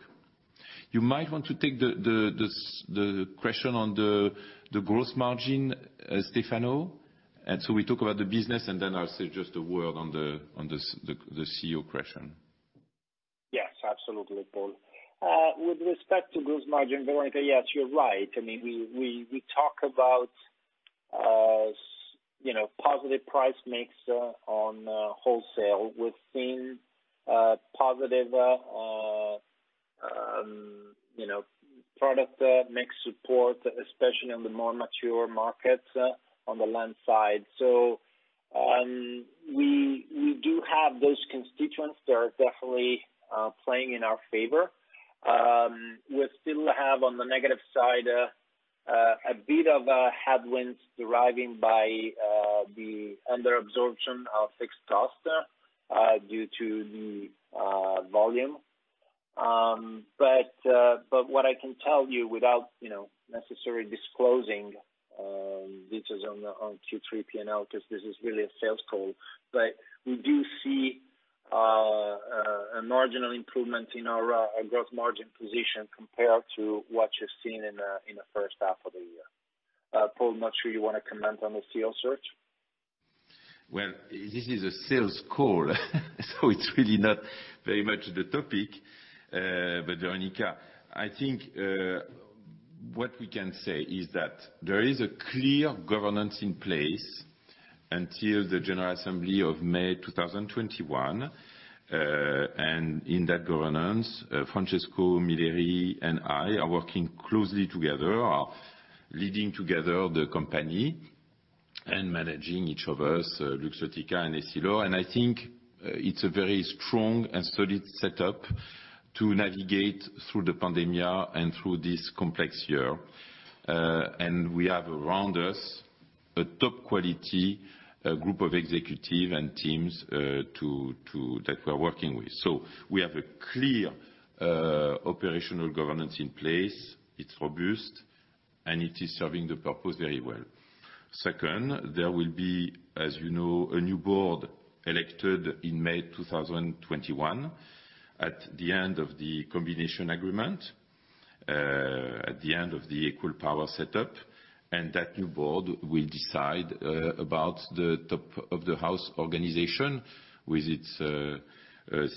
You might want to take the question on the gross margin, Stefano. We talk about the business and then I'll say just a word on the CEO question. Yes, absolutely, Paul. With respect to gross margin, Veronika, yes, you're right. We talk about positive price mix on wholesale with seen positive product mix support, especially on the more mature markets on the lens side. We do have those constituents that are definitely playing in our favor. We still have, on the negative side, a bit of a headwinds deriving from the under-absorption of fixed cost due to the volume. What I can tell you without necessarily disclosing details on Q3 P&L, because this is really a sales call, but we do see a marginal improvement in our gross margin position compared to what you've seen in the first half of the year. Paul, not sure you want to comment on the CEO search? Well, this is a sales call so it's really not very much the topic. Veronika, I think, what we can say is that there is a clear governance in place until the general assembly of May 2021. In that governance, Francesco Milleri and I are working closely together, are leading together the company and managing each of us, Luxottica and Essilor. I think it's a very strong and solid setup to navigate through the pandemia and through this complex year. We have around us a top quality group of executive and teams that we're working with. We have a clear operational governance in place. It's robust, and it is serving the purpose very well. Second, there will be, as you know, a new board elected in May 2021 at the end of the combination agreement, at the end of the equal power setup. That new board will decide about the top of the house organization with its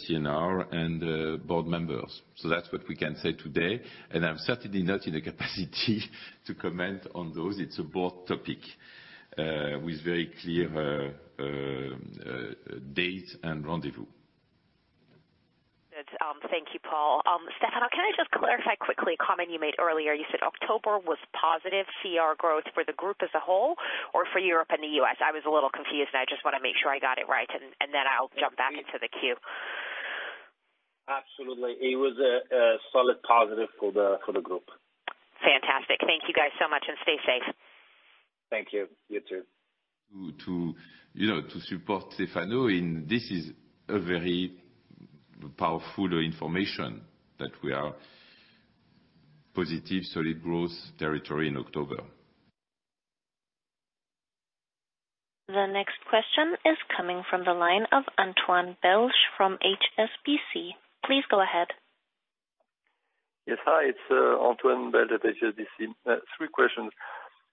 CNR and board members. That's what we can say today, and I'm certainly not in a capacity to comment on those. It's a board topic, with very clear date and rendezvous. Good. Thank you, Paul. Stefano, can I just clarify quickly a comment you made earlier. You said October was positive CR growth for the group as a whole, or for Europe and the U.S.? I was a little confused, and I just want to make sure I got it right, and then I'll jump back into the queue. Absolutely. It was a solid positive for the group. Fantastic. Thank you guys so much, and stay safe. Thank you. You too. You too. To support Stefano in this is a very powerful information that we are positive solid growth territory in October. The next question is coming from the line of Antoine Belge from HSBC. Please go ahead. Yes. Hi, it's Antoine Belge at HSBC. Three questions.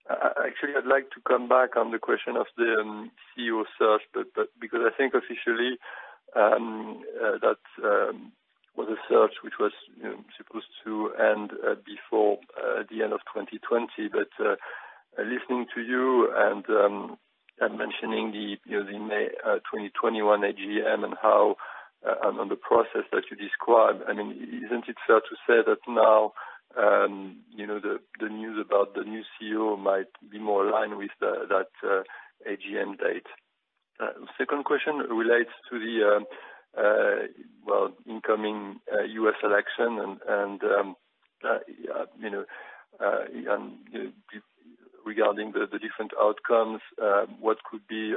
Actually, I'd like to come back on the question of the CEO search, because I think officially, that was a search which was and before the end of 2020. Listening to you and mentioning the May 2021 AGM and on the process that you described, isn't it fair to say that now the news about the new CEO might be more aligned with that AGM date? Second question relates to the incoming U.S. election regarding the different outcomes, what could be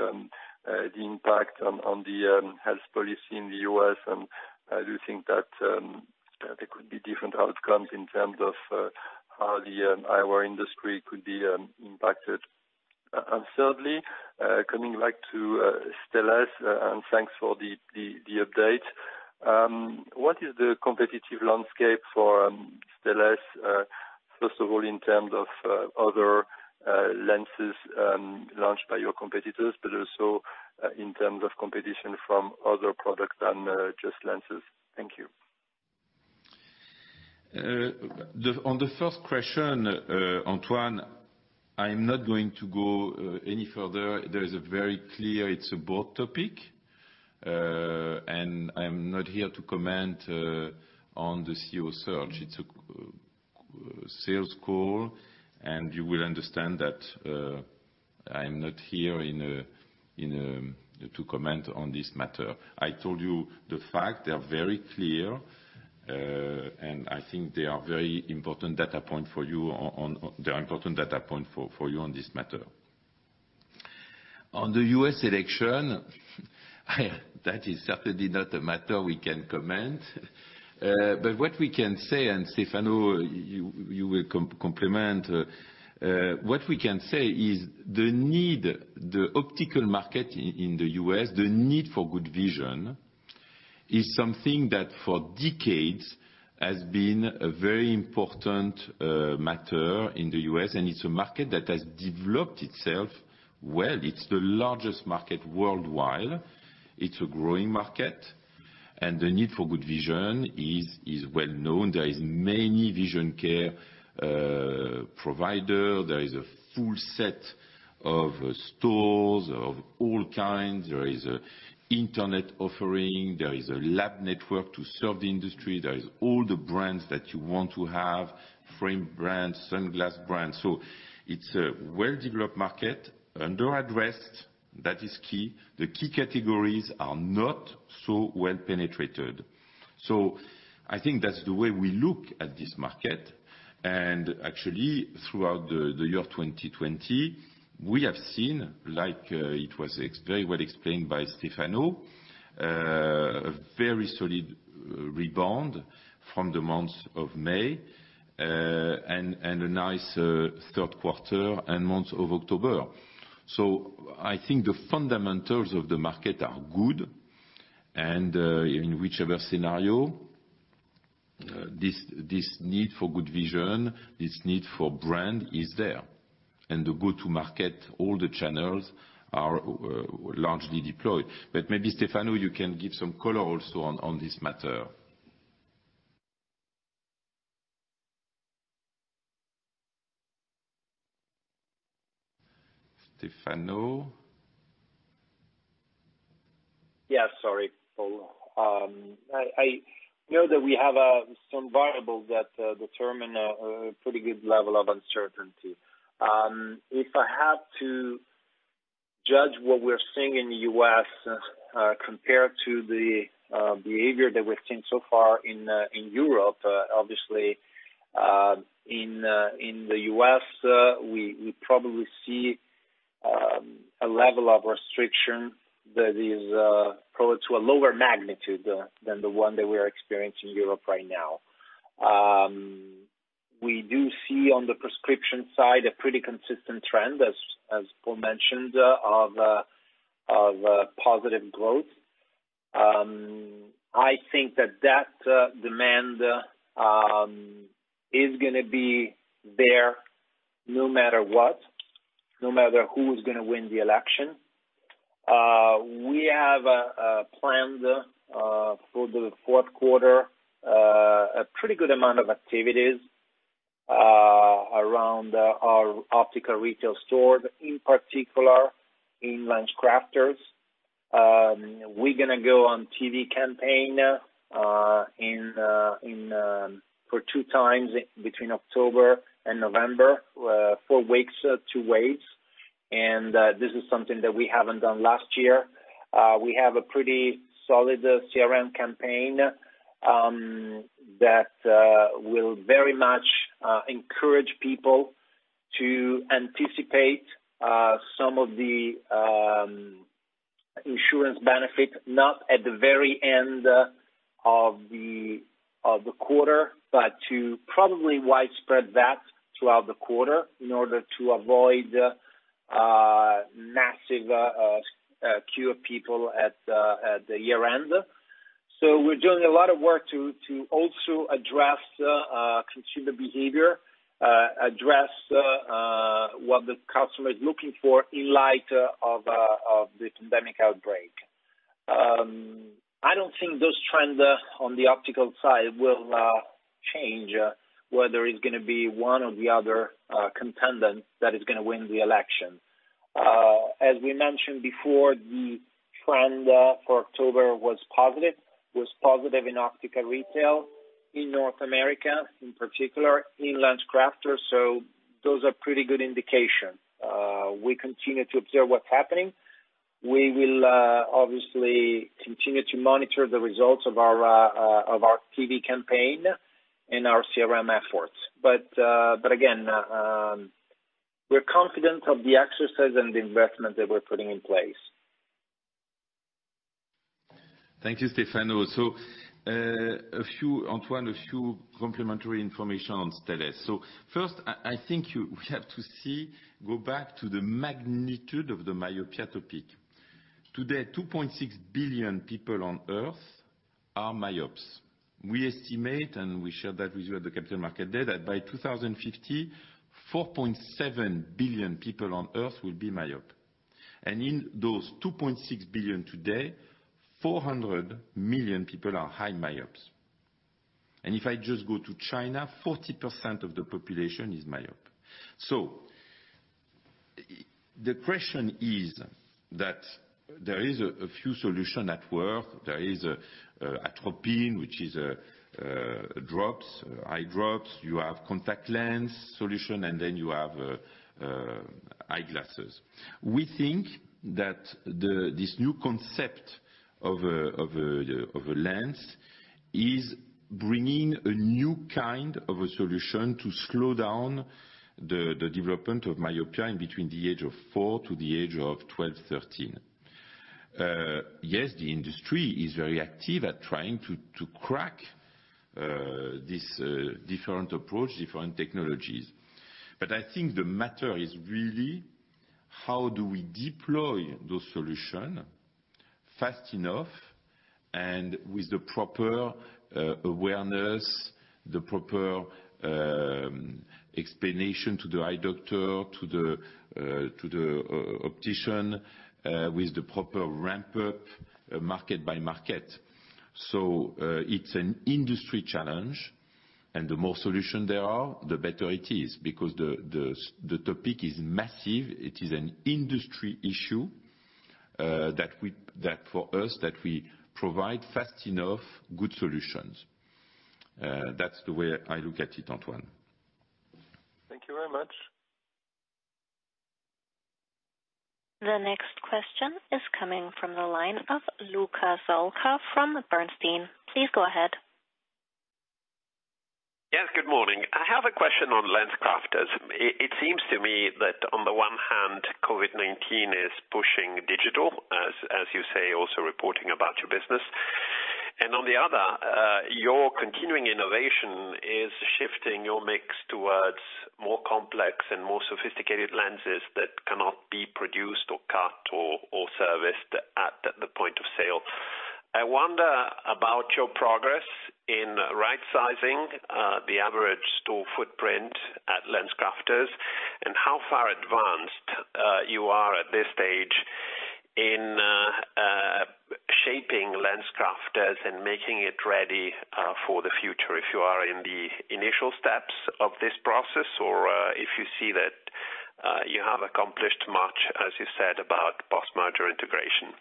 the impact on the health policy in the U.S., do you think that there could be different outcomes in terms of how the eyewear industry could be impacted? Thirdly, coming back to Stellest, thanks for the update. What is the competitive landscape for Stellest, first of all, in terms of other lenses launched by your competitors, but also in terms of competition from other products than just lenses? Thank you. On the first question, Antoine, I'm not going to go any further. There is a very clear, it's a board topic. I'm not here to comment on the CEO search. It's a sales call, you will understand that I'm not here to comment on this matter. I told you the fact, they are very clear. I think they are very important data point for you on this matter. On the U.S. election, that is certainly not a matter we can comment. What we can say, Stefano, you will complement. What we can say is the need, the optical market in the U.S., the need for good vision is something that for decades has been a very important matter in the U.S., it's a market that has developed itself well. It's the largest market worldwide. It's a growing market. The need for good vision is well known. There is many vision care provider. There is a full set of stores of all kinds. There is internet offering. There is a lab network to serve the industry. There is all the brands that you want to have, frame brands, sunglass brands. It's a well-developed market, under-addressed, that is key. The key categories are not so well penetrated. I think that's the way we look at this market. Actually, throughout the year 2020, we have seen, like it was very well explained by Stefano, a very solid rebound from the month of May, and a nice third quarter and month of October. I think the fundamentals of the market are good. In whichever scenario, this need for good vision, this need for brand is there. The go-to market, all the channels are largely deployed. Maybe, Stefano, you can give some color also on this matter. Stefano? Yeah, sorry, Paul. I know that we have some variables that determine a pretty good level of uncertainty. If I had to judge what we're seeing in the U.S. compared to the behavior that we've seen so far in Europe, obviously, in the U.S., we probably see a level of restriction that is probably to a lower magnitude than the one that we are experiencing in Europe right now. We do see on the prescription side a pretty consistent trend, as Paul mentioned, of positive growth. I think that demand is going to be there no matter what, no matter who is going to win the election. We have planned for the fourth quarter a pretty good amount of activities around our optical retail store, in particular in LensCrafters. We're going to go on TV campaign for two times between October and November, four weeks, two waves. This is something that we haven't done last year. We have a pretty solid CRM campaign that will very much encourage people to anticipate some of the insurance benefit, not at the very end of the quarter, but to probably widespread that throughout the quarter in order to avoid massive queue of people at the year-end. We're doing a lot of work to also address consumer behavior, address what the customer is looking for in light of this pandemic outbreak. I don't think those trends on the optical side will change, whether it's going to be one or the other contender that is going to win the election. As we mentioned before, the trend for October was positive. It was positive in optical retail in North America, in particular in LensCrafters. Those are pretty good indications. We continue to observe what's happening. We will obviously continue to monitor the results of our TV campaign and our CRM efforts. Again, we're confident of the exercise and the investment that we're putting in place. Thank you, Stefano. Antoine, a few complementary information on Stellest. First, I think we have to go back to the magnitude of the myopia topic. Today, 2.6 billion people on Earth are myopes. We estimate, and we shared that with you at the capital market day, that by 2050, 4.7 billion people on Earth will be myope. In those 2.6 billion today, 400 million people are high myopes. If I just go to China, 40% of the population is myope. The question is that there is a few solution at work. There is atropine, which is eye drops. You have contact lens solution, and then you have eyeglasses. We think that this new concept of a lens is bringing a new kind of a solution to slow down the development of myopia in between the age of four to the age of 12, 13. Yes, the industry is very active at trying to crack these different approach, different technologies. I think the matter is really how do we deploy those solution fast enough and with the proper awareness, the proper explanation to the eye doctor, to the optician, with the proper ramp-up market by market. It's an industry challenge, and the more solution there are, the better it is, because the topic is massive. It is an industry issue that for us, that we provide fast enough good solutions. That's the way I look at it, Antoine. Thank you very much. The next question is coming from the line of Luca Solca from Bernstein. Please go ahead. Yes, good morning. I have a question on LensCrafters. It seems to me that on the one hand, COVID-19 is pushing digital, as you say, also reporting about your business. On the other, your continuing innovation is shifting your mix towards more complex and more sophisticated lenses that cannot be produced or cut or serviced at the point of sale. I wonder about your progress in rightsizing the average store footprint at LensCrafters and how far advanced you are at this stage in shaping LensCrafters and making it ready for the future. If you are in the initial steps of this process or if you see that you have accomplished much, as you said about post-merger integration.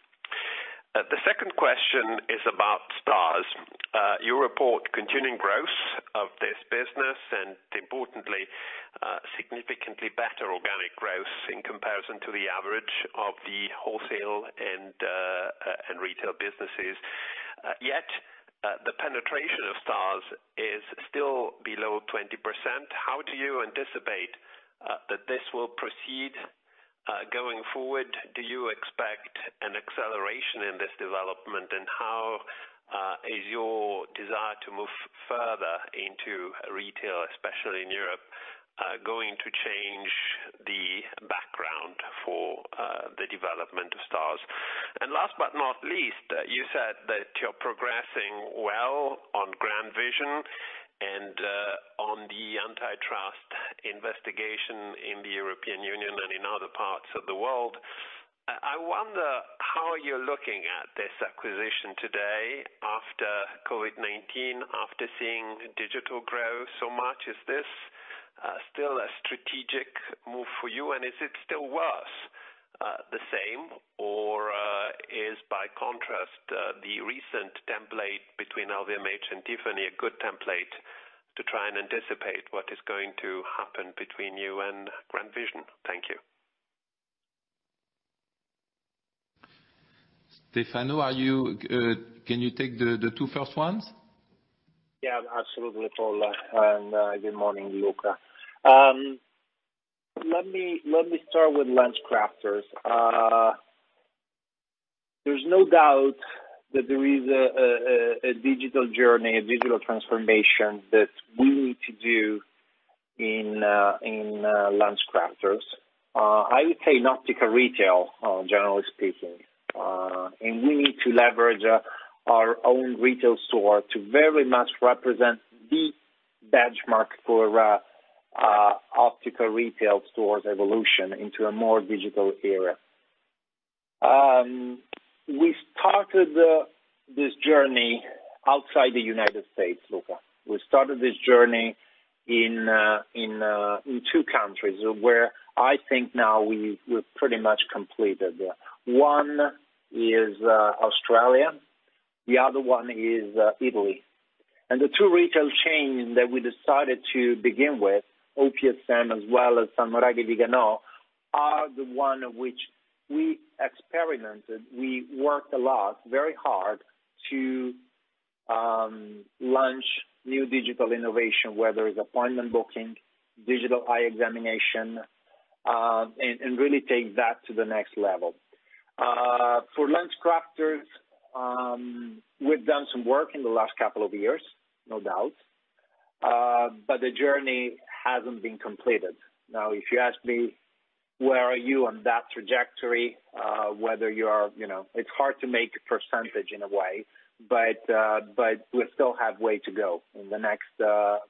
The second question is about STARS. You report continuing growth of this business and importantly, significantly better organic growth in comparison to the average of the wholesale and retail businesses. Yet, the penetration of STARS is still below 20%. How do you anticipate that this will proceed going forward? Do you expect an acceleration in this development, how is your desire to move further into retail, especially in Europe, going to change the background for the development of STARS? Last but not least, you said that you're progressing well on GrandVision and on the antitrust investigation in the European Union and in other parts of the world. I wonder how you're looking at this acquisition today after COVID-19, after seeing digital grow so much. Is this still a strategic move for you, and is it still worth the same, or is by contrast, the recent template between LVMH and Tiffany a good template to try and anticipate what is going to happen between you and GrandVision? Thank you. Stefano, can you take the two first ones? Absolutely, Paul, good morning, Luca. Let me start with LensCrafters. There's no doubt that there is a digital journey, a digital transformation that we need to do in LensCrafters. I would say in optical retail, generally speaking. We need to leverage our own retail store to very much represent the benchmark for optical retail stores evolution into a more digital era. We started this journey outside the United States, Luca. We started this journey in two countries, where I think now we've pretty much completed. One is Australia, the other one is Italy. The two retail chains that we decided to begin with, OPSM as well as Salmoiraghi & Viganò, are the one which we experimented, we worked a lot, very hard to launch new digital innovation, whether it's appointment booking, digital eye examination, and really take that to the next level. For LensCrafters, we've done some work in the last couple of years, no doubt, the journey hasn't been completed. Now, if you ask me, where are you on that trajectory? It's hard to make a percentage in a way, we still have way to go. In the next,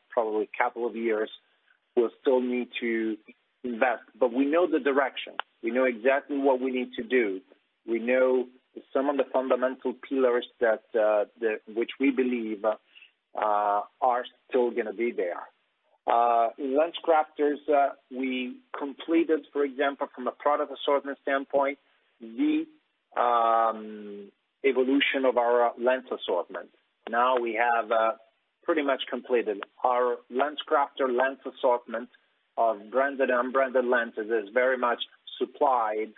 probably couple of years, we'll still need to invest. We know the direction. We know exactly what we need to do. We know some of the fundamental pillars which we believe are still going to be there. In LensCrafters, we completed, for example, from a product assortment standpoint, the evolution of our lens assortment. Now we have pretty much completed. Our LensCrafters lens assortment of branded and unbranded lenses is very much supplied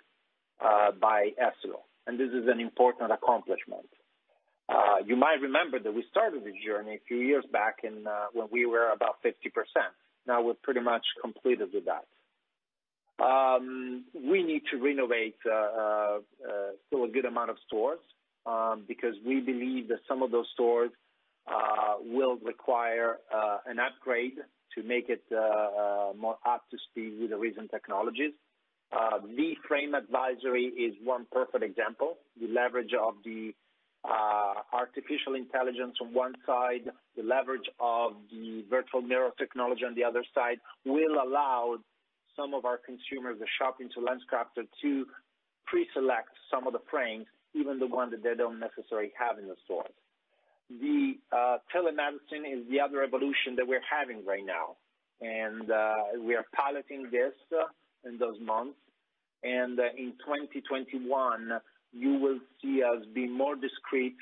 by Essilor, this is an important accomplishment. You might remember that we started this journey a few years back when we were about 50%. We've pretty much completed with that. We need to renovate still a good amount of stores, because we believe that some of those stores will require an upgrade to make it more up to speed with the recent technologies. The frame advisory is one perfect example. The leverage of the artificial intelligence on one side, the leverage of the virtual mirror technology on the other side will allow some of our consumers that shop into LensCrafters to pre-select some of the frames, even the one that they don't necessarily have in the store. The telemedicine is the other evolution that we're having right now. We are piloting this in those months. In 2021, you will see us be more discreet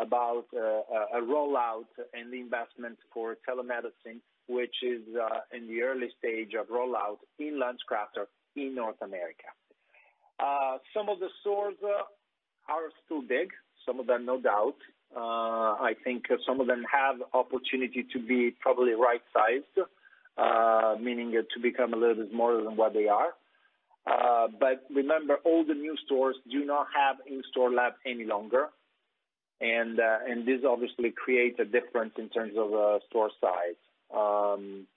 about a rollout and the investments for telemedicine, which is in the early stage of rollout in LensCrafters in North America. Some of the stores are still big. Some of them, no doubt. I think some of them have opportunity to be probably right-sized, meaning to become a little bit smaller than what they are. Remember, all the new stores do not have in-store lab any longer, and this obviously creates a difference in terms of store size.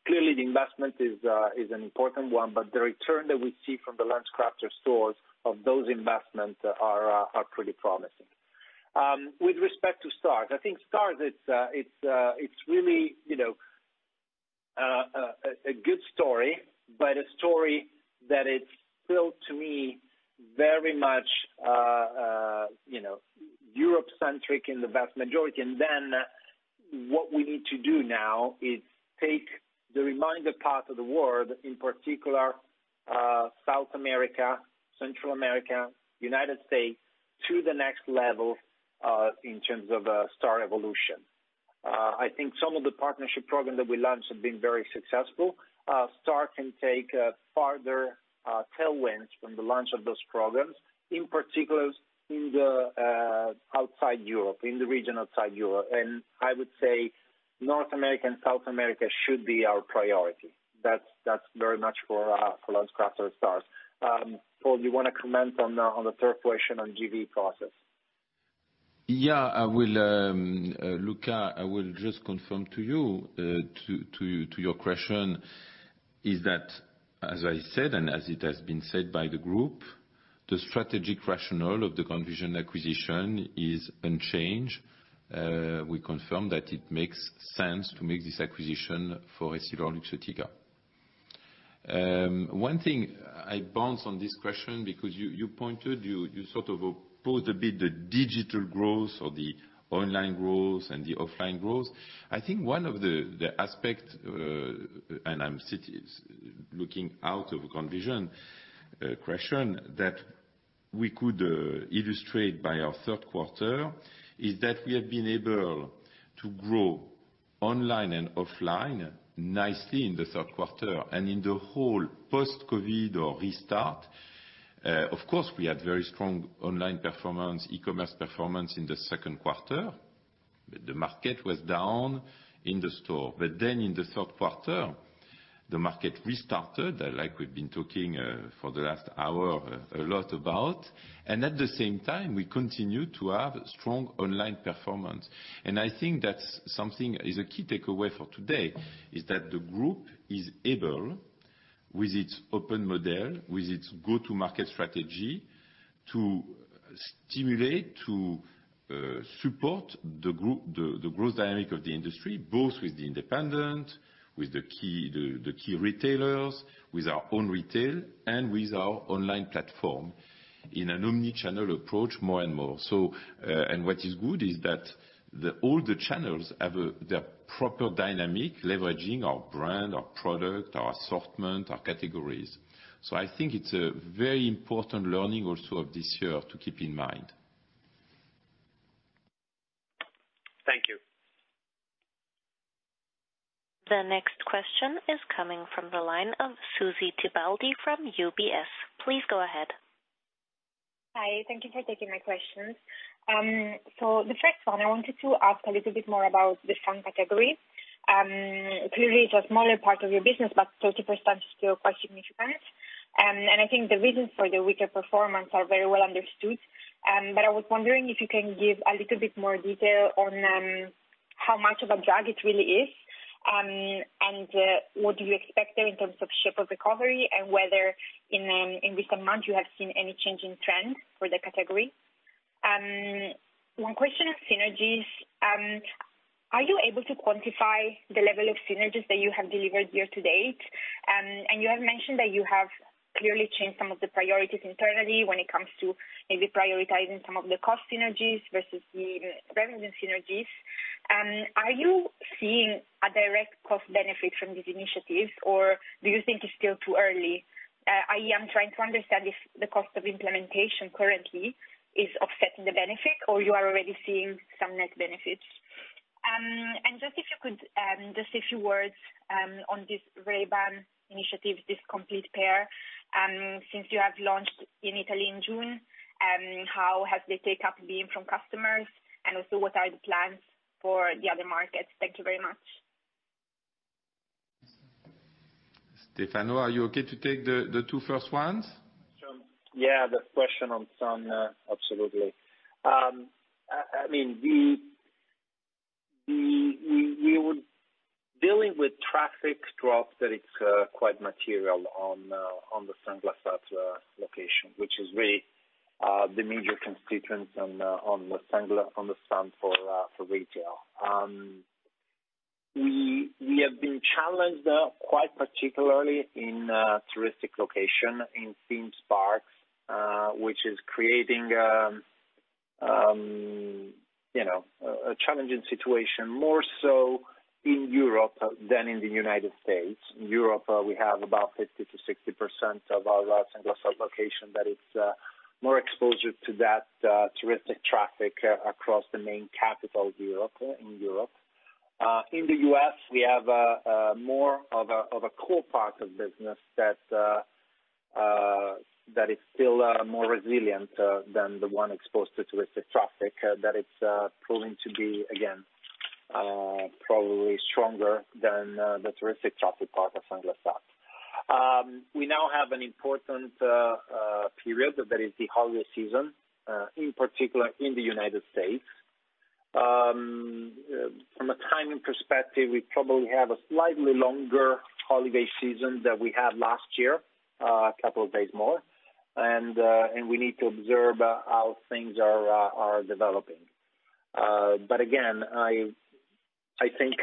Clearly, the investment is an important one, but the return that we see from the LensCrafters stores of those investments are pretty promising. With respect to STARS, I think STARS it's really a good story, but a story that is still, to me, very much Europe-centric in the vast majority. What we need to do now is take the remaining part of the world, in particular, South America, Central America, United States, to the next level, in terms of STARS evolution. I think some of the partnership program that we launched have been very successful. STARS can take further tailwinds from the launch of those programs, in particular in the region outside Europe. I would say North America and South America should be our priority. That's very much for LensCrafters and STARS. Paul, you want to comment on the third question on GV process? Luca, I will just confirm to you, to your question, is that, as I said, and as it has been said by the group, the strategic rationale of the GrandVision acquisition is unchanged. We confirm that it makes sense to make this acquisition for EssilorLuxottica. One thing, I bounce on this question because you pointed, you sort of opposed a bit the digital growth or the online growth and the offline growth. I think one of the aspect, and I'm looking out of GrandVision question, that we could illustrate by our third quarter is that we have been able to grow online and offline nicely in the third quarter and in the whole post-COVID or restart. Of course, we had very strong online performance, e-commerce performance in the second quarter. The market was down in the store. In the third quarter, the market restarted, like we've been talking for the last hour a lot about, and at the same time, we continue to have strong online performance. I think that's something is a key takeaway for today, is that the group is able to with its open model, with its go-to-market strategy to stimulate, to support the growth dynamic of the industry, both with the independent, with the key retailers, with our own retail, and with our online platform in an omnichannel approach more and more. What is good is that all the channels have their proper dynamic, leveraging our brand, our product, our assortment, our categories. I think it's a very important learning also of this year to keep in mind. Thank you. The next question is coming from the line of Susy Tibaldi from UBS. Please go ahead. Hi. Thank you for taking my questions. The first one, I wanted to ask a little bit more about the sun category. Clearly, it's a smaller part of your business, but 30% is still quite significant. I think the reasons for the weaker performance are very well understood. I was wondering if you can give a little bit more detail on how much of a drag it really is, and what do you expect there in terms of shape of recovery, and whether in recent months you have seen any change in trend for the category. One question on synergies. Are you able to quantify the level of synergies that you have delivered year to date? You have mentioned that you have clearly changed some of the priorities internally when it comes to maybe prioritizing some of the cost synergies versus the revenue synergies. Are you seeing a direct cost benefit from these initiatives, or do you think it's still too early? I am trying to understand if the cost of implementation currently is offsetting the benefit or you are already seeing some net benefits. Just if you could, just a few words on this Ray-Ban initiative, this Complete Pair. Since you have launched in Italy in June, how has the take-up been from customers? Also what are the plans for the other markets? Thank you very much. Stefano, are you okay to take the two first ones? Yeah, the question on sun, absolutely. Dealing with traffic drops that it's quite material on the sunglasses location, which is really the major constituents on the sun for retail. We have been challenged quite particularly in touristic location, in theme parks, which is creating a challenging situation, more so in Europe than in the United States. In Europe, we have about 50%-60% of our sunglasses location, that it's more exposure to that touristic traffic across the main capital in Europe. In the U.S., we have more of a core part of business that is still more resilient than the one exposed to touristic traffic, that it's proving to be, again, probably stronger than the touristic traffic part of sunglasses. We now have an important period, that is the holiday season, in particular in the United States. From a timing perspective, we probably have a slightly longer holiday season than we had last year, a couple of days more. We need to observe how things are developing. Again, I think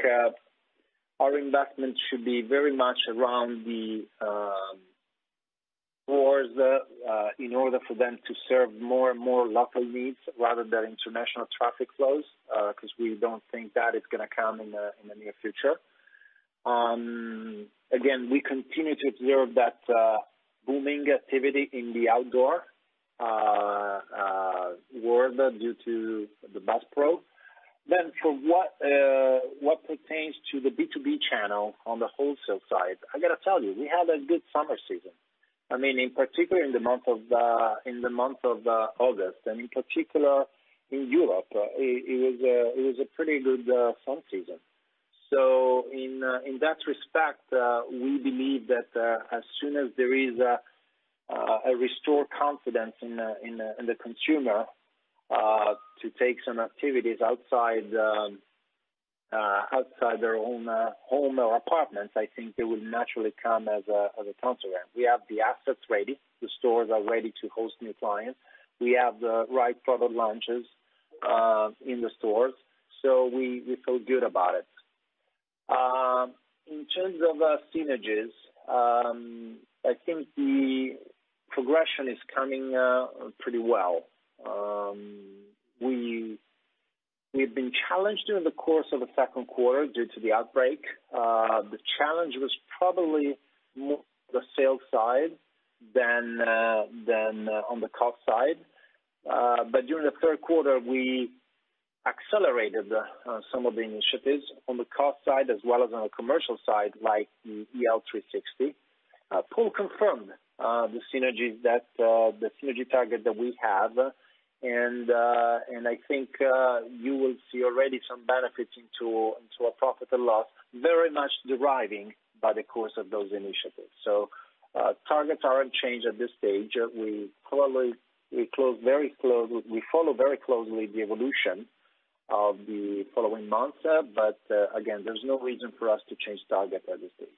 our investment should be very much around the stores in order for them to serve more and more local needs rather than international traffic flows, because we don't think that is going to come in the near future. Again, we continue to observe that booming activity in the outdoor world due to the Bass Pro. For what pertains to the B2B channel on the wholesale side, I got to tell you, we had a good summer season. In particular in the month of August, and in particular in Europe, it was a pretty good sun season. In that respect, we believe that as soon as there is a restored confidence in the consumer to take some activities outside their own home or apartments, I think they will naturally come as a counter there. We have the assets ready. The stores are ready to host new clients. We have the right product launches in the stores, so we feel good about it. In terms of synergies, I think the progression is coming pretty well. We've been challenged during the course of the second quarter due to the outbreak. The challenge was probably more the sales side than on the cost side. During the third quarter, we accelerated some of the initiatives on the cost side as well as on the commercial side, like the EL 360. Paul confirmed the synergy target that we have, and I think you will see already some benefits into our profit and loss, very much deriving by the course of those initiatives. Targets aren't changed at this stage. We follow very closely the evolution of the following months. Again, there's no reason for us to change target at this stage.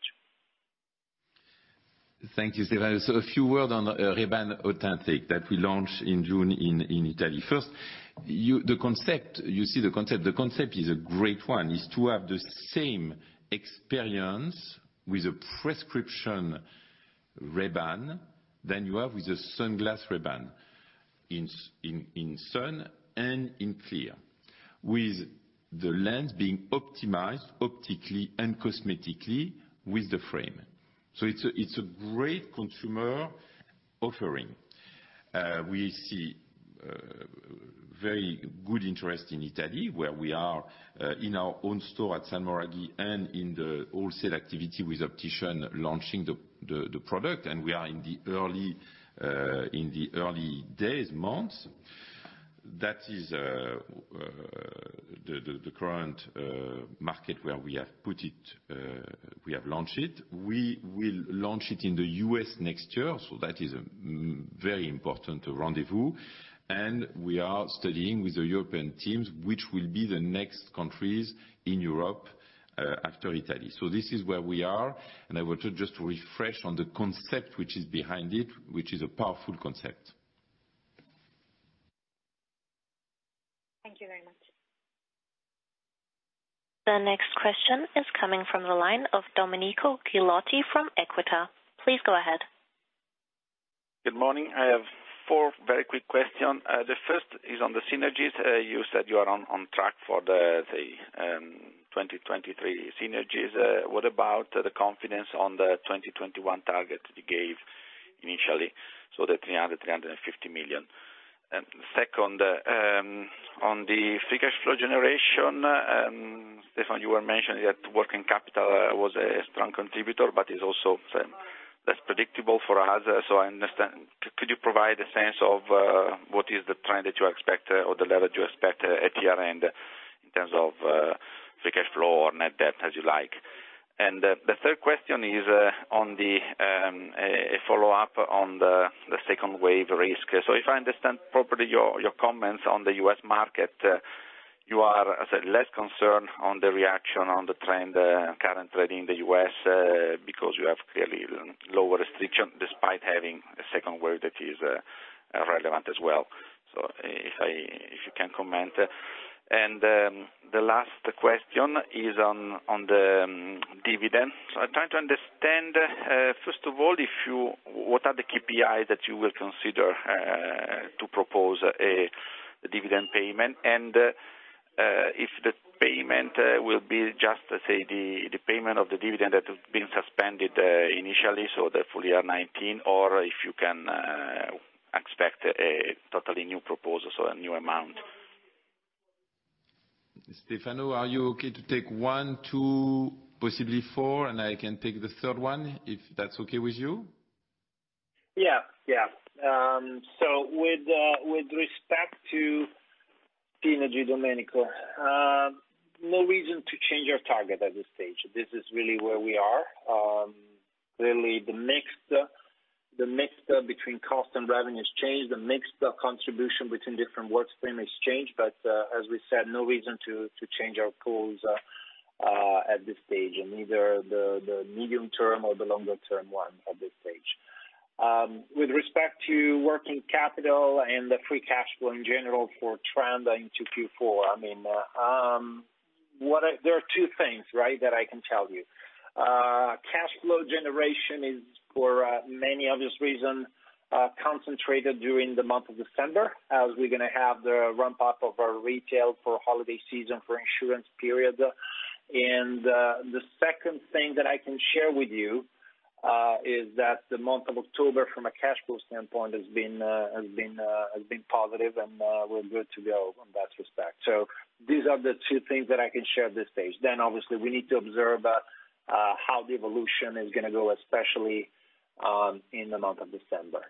Thank you, Stefano. A few word on Ray-Ban Authentic that we launched in June in Italy. First, you see the concept. The concept is a great one, is to have the same experience with a prescription Ray-Ban than you have with a sunglass Ray-Ban, in sun and in clear, with the lens being optimized optically and cosmetically with the frame. It's a great consumer offering. We see very good interest in Italy, where we are in our own store at Salmoiraghi and in the wholesale activity with optician launching the product. We are in the early days, months. That is the current market where we have put it, we have launched it. We will launch it in the U.S. next year, that is a very important rendezvous. We are studying with the European teams, which will be the next countries in Europe, after Italy. This is where we are, and I want to just refresh on the concept which is behind it, which is a powerful concept. Thank you very much. The next question is coming from the line of Domenico Ghilotti from Equita. Please go ahead. Good morning. I have four very quick question. The first is on the synergies. You said you are on track for the 2023 synergies. What about the confidence on the 2021 target you gave initially? The 300 million-350 million. Second, on the free cash flow generation, Stefano, you were mentioning that working capital was a strong contributor, but is also less predictable for us. I understand. Could you provide a sense of what is the trend that you expect or the level you expect at year-end in terms of free cash flow or net debt, as you like? The third question is a follow-up on the second wave risk. If I understand properly your comments on the U.S. market, you are at less concern on the reaction on the trend, current trend in the U.S. because you have clearly lower restriction despite having a second wave that is relevant as well. If you can comment. The last question is on the dividend. I'm trying to understand, first of all, what are the KPIs that you will consider to propose a dividend payment and if the payment will be just, say the payment of the dividend that has been suspended initially, so the full year 2019, or if you can expect a totally new proposal, so a new amount? Stefano, are you okay to take one, two, possibly four, and I can take the third one, if that's okay with you? Yeah. With respect to synergy, Domenico, no reason to change our target at this stage. This is really where we are. Clearly the mix between cost and revenue has changed. The mix contribution between different work stream has changed, but, as we said, no reason to change our goals at this stage and neither the medium term or the longer term one at this stage. With respect to working capital and the free cash flow in general for trend into Q4, there are two things that I can tell you. Cash flow generation is for many obvious reason, concentrated during the month of December as we're going to have the ramp up of our retail for holiday season for insurance period. The second thing that I can share with you, is that the month of October from a cash flow standpoint has been positive and we're good to go in that respect. These are the two things that I can share at this stage. Obviously we need to observe how the evolution is going to go, especially in the month of December.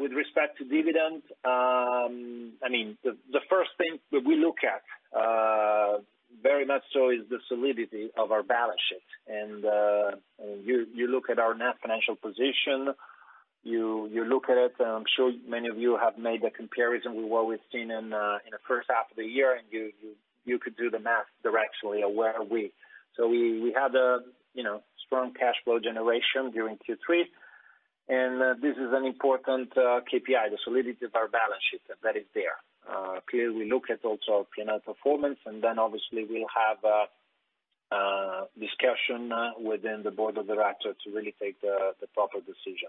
With respect to dividend, the first thing that we look at very much so is the solidity of our balance sheet. You look at our net financial position. You look at it, and I'm sure many of you have made a comparison with what we've seen in the first half of the year, and you could do the math directly of where are we. We had a strong cash flow generation during Q3, and this is an important KPI, the solidity of our balance sheet. That is there. Clearly, we look at also P&L performance, and obviously we'll have a discussion within the board of directors to really take the proper decision.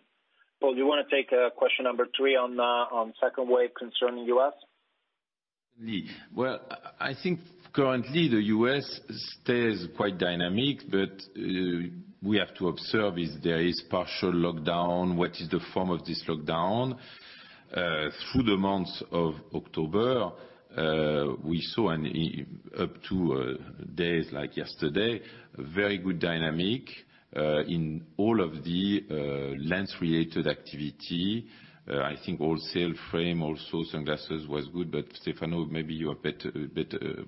Paul, do you want to take question number three on second wave concerning U.S.? Well, I think currently the U.S. stays quite dynamic, but we have to observe if there is partial lockdown, what is the form of this lockdown. Through the months of October, we saw up to days like yesterday, very good dynamic, in all of the lens-related activity. I think wholesale frame, also sunglasses was good. Stefano, maybe you are better with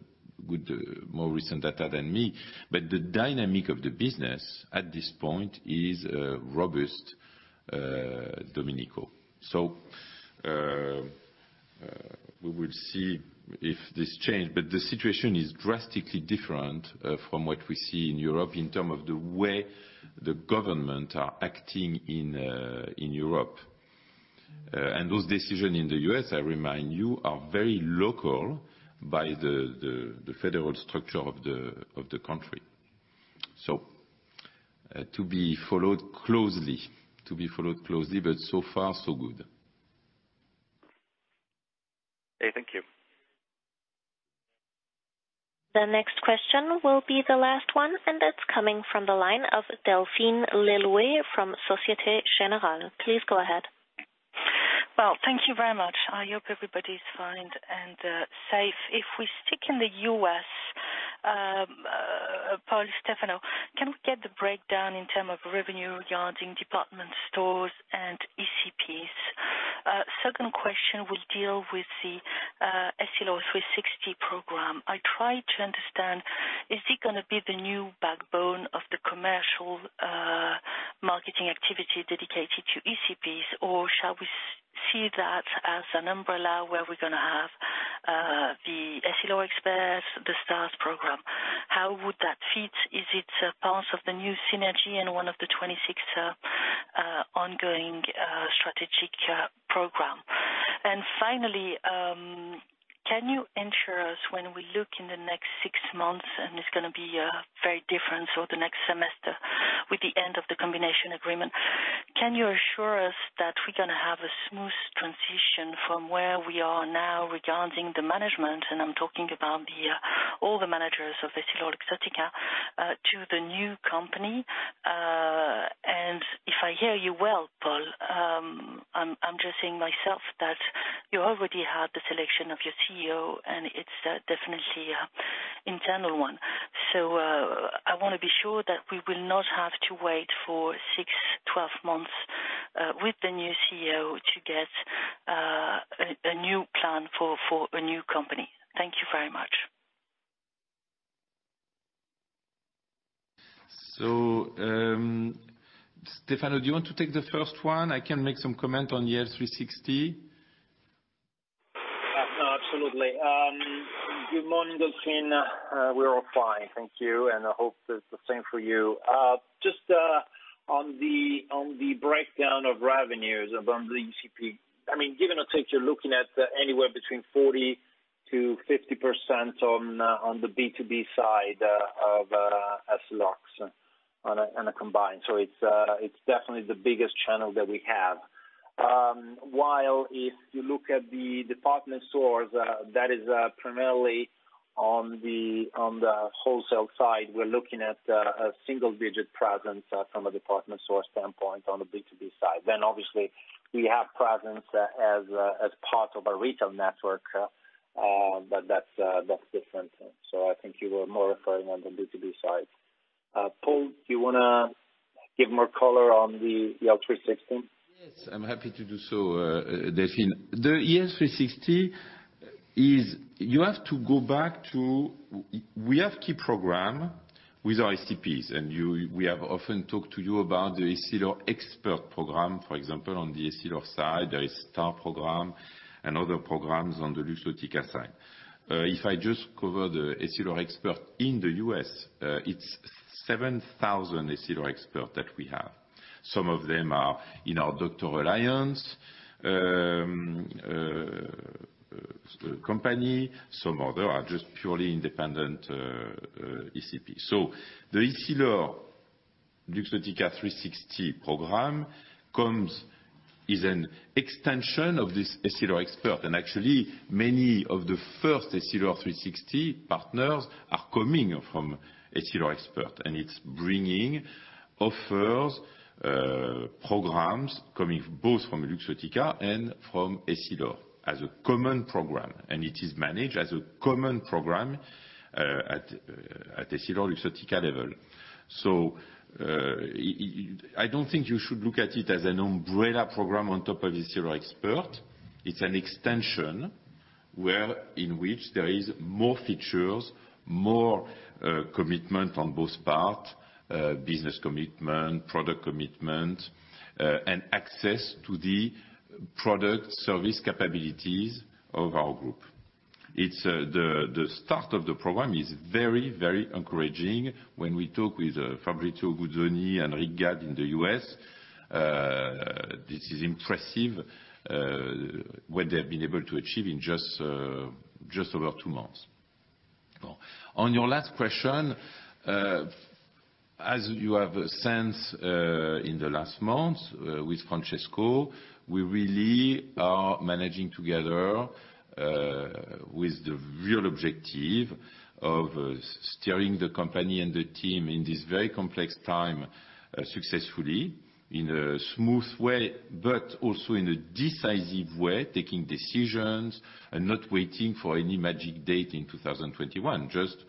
more recent data than me. The dynamic of the business at this point is robust, Domenico. We will see if this change, but the situation is drastically different from what we see in Europe in terms of the way the government are acting in Europe. Those decisions in the U.S., I remind you, are very local by the federal structure of the country. To be followed closely, but so far so good. Okay, thank you. The next question will be the last one. That's coming from the line of Delphine Le Louët from Société Générale. Please go ahead. Well, thank you very much. I hope everybody's fine and safe. If we stick in the U.S., Paul, Stefano, can we get the breakdown in term of revenue regarding department stores and ECPs? Second question will deal with the Essilor 360 program. I try to understand, is it going to be the new backbone of the commercial marketing activity dedicated to ECPs? Shall we see that as an umbrella where we're going to have, the Essilor Experts, the STARS program. How would that fit? Is it a part of the new synergy and one of the 26 ongoing strategic program? Finally, can you ensure us when we look in the next six months, and it's going to be very different for the next semester with the end of the combination agreement. Can you assure us that we're going to have a smooth transition from where we are now regarding the management, and I'm talking about all the managers of EssilorLuxottica, to the new company. If I hear you well, Paul, I'm just saying myself that you already had the selection of your CEO, and it's definitely internal one. I want to be sure that we will not have to wait for six, 12 months with the new CEO to get a new plan for a new company. Thank you very much. Stefano, do you want to take the first one? I can make some comment on the EL 360. Good morning, Delphine. We're all fine, thank you, and I hope it's the same for you. On the breakdown of revenues among the ECP. Give or take, you're looking at anywhere between 40%-50% on the B2B side of Essilor on a combined. It's definitely the biggest channel that we have. While if you look at the department stores, that is primarily on the wholesale side, we're looking at a single-digit presence from a department store standpoint on the B2B side. Obviously we have presence as part of a retail network, but that's different. I think you were more referring on the B2B side. Paul, do you want to give more color on the EL 360? Yes, I'm happy to do so, Delphine. The EL 360 is you have to go back to, we have key program with our ECPs, and we have often talked to you about the Essilor Experts program, for example, on the Essilor side, there is STARS program and other programs on the Luxottica side. If I just cover the Essilor Experts in the U.S., it's 7,000 Essilor Experts that we have. Some of them are in our doctor alliance company, some other are just purely independent ECP. The EssilorLuxottica 360 program is an extension of this Essilor Experts, and actually many of the first Essilor 360 partners are coming from Essilor Experts, and it's bringing offers, programs coming both from Luxottica and from Essilor as a common program. It is managed as a common program at EssilorLuxottica level. I don't think you should look at it as an umbrella program on top of Essilor Experts. It's an extension where in which there is more features, more commitment on both parts, business commitment, product commitment, and access to the product service capabilities of our group. The start of the program is very encouraging when we talk with Fabrizio Uguzzoni and Rick Gadd in the U.S. This is impressive, what they've been able to achieve in just over two months. On your last question, as you have a sense, in the last month, with Francesco, we really are managing together, with the real objective of steering the company and the team in this very complex time, successfully in a smooth way, but also in a decisive way, taking decisions and not waiting for any magic date in 2021. Just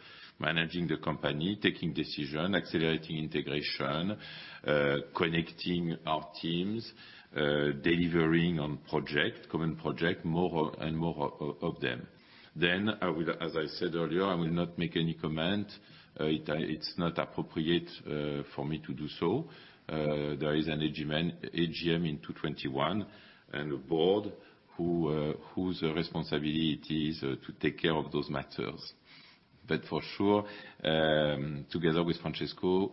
managing the company, taking decision, accelerating integration, connecting our teams, delivering on project, common project, more and more of them. I will, as I said earlier, I will not make any comment. It's not appropriate for me to do so. There is an AGM in 2021, and a board whose responsibility is to take care of those matters. For sure, together with Francesco,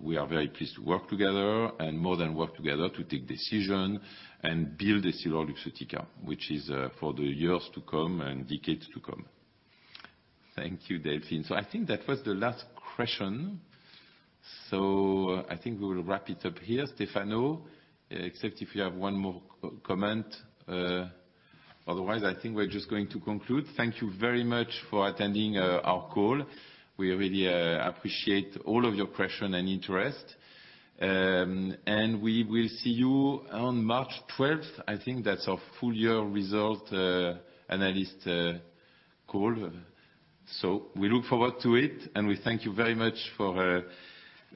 we are very pleased to work together and more than work together to take decision and build EssilorLuxottica, which is for the years to come and decades to come. Thank you, Delphine. I think that was the last question. I think we will wrap it up here, Stefano, except if you have one more comment. Otherwise, I think we're just going to conclude. Thank you very much for attending our call. We really appreciate all of your question and interest. We will see you on March 12th. I think that's our full year result analyst call. We look forward to it, and we thank you very much for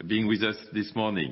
being with us this morning.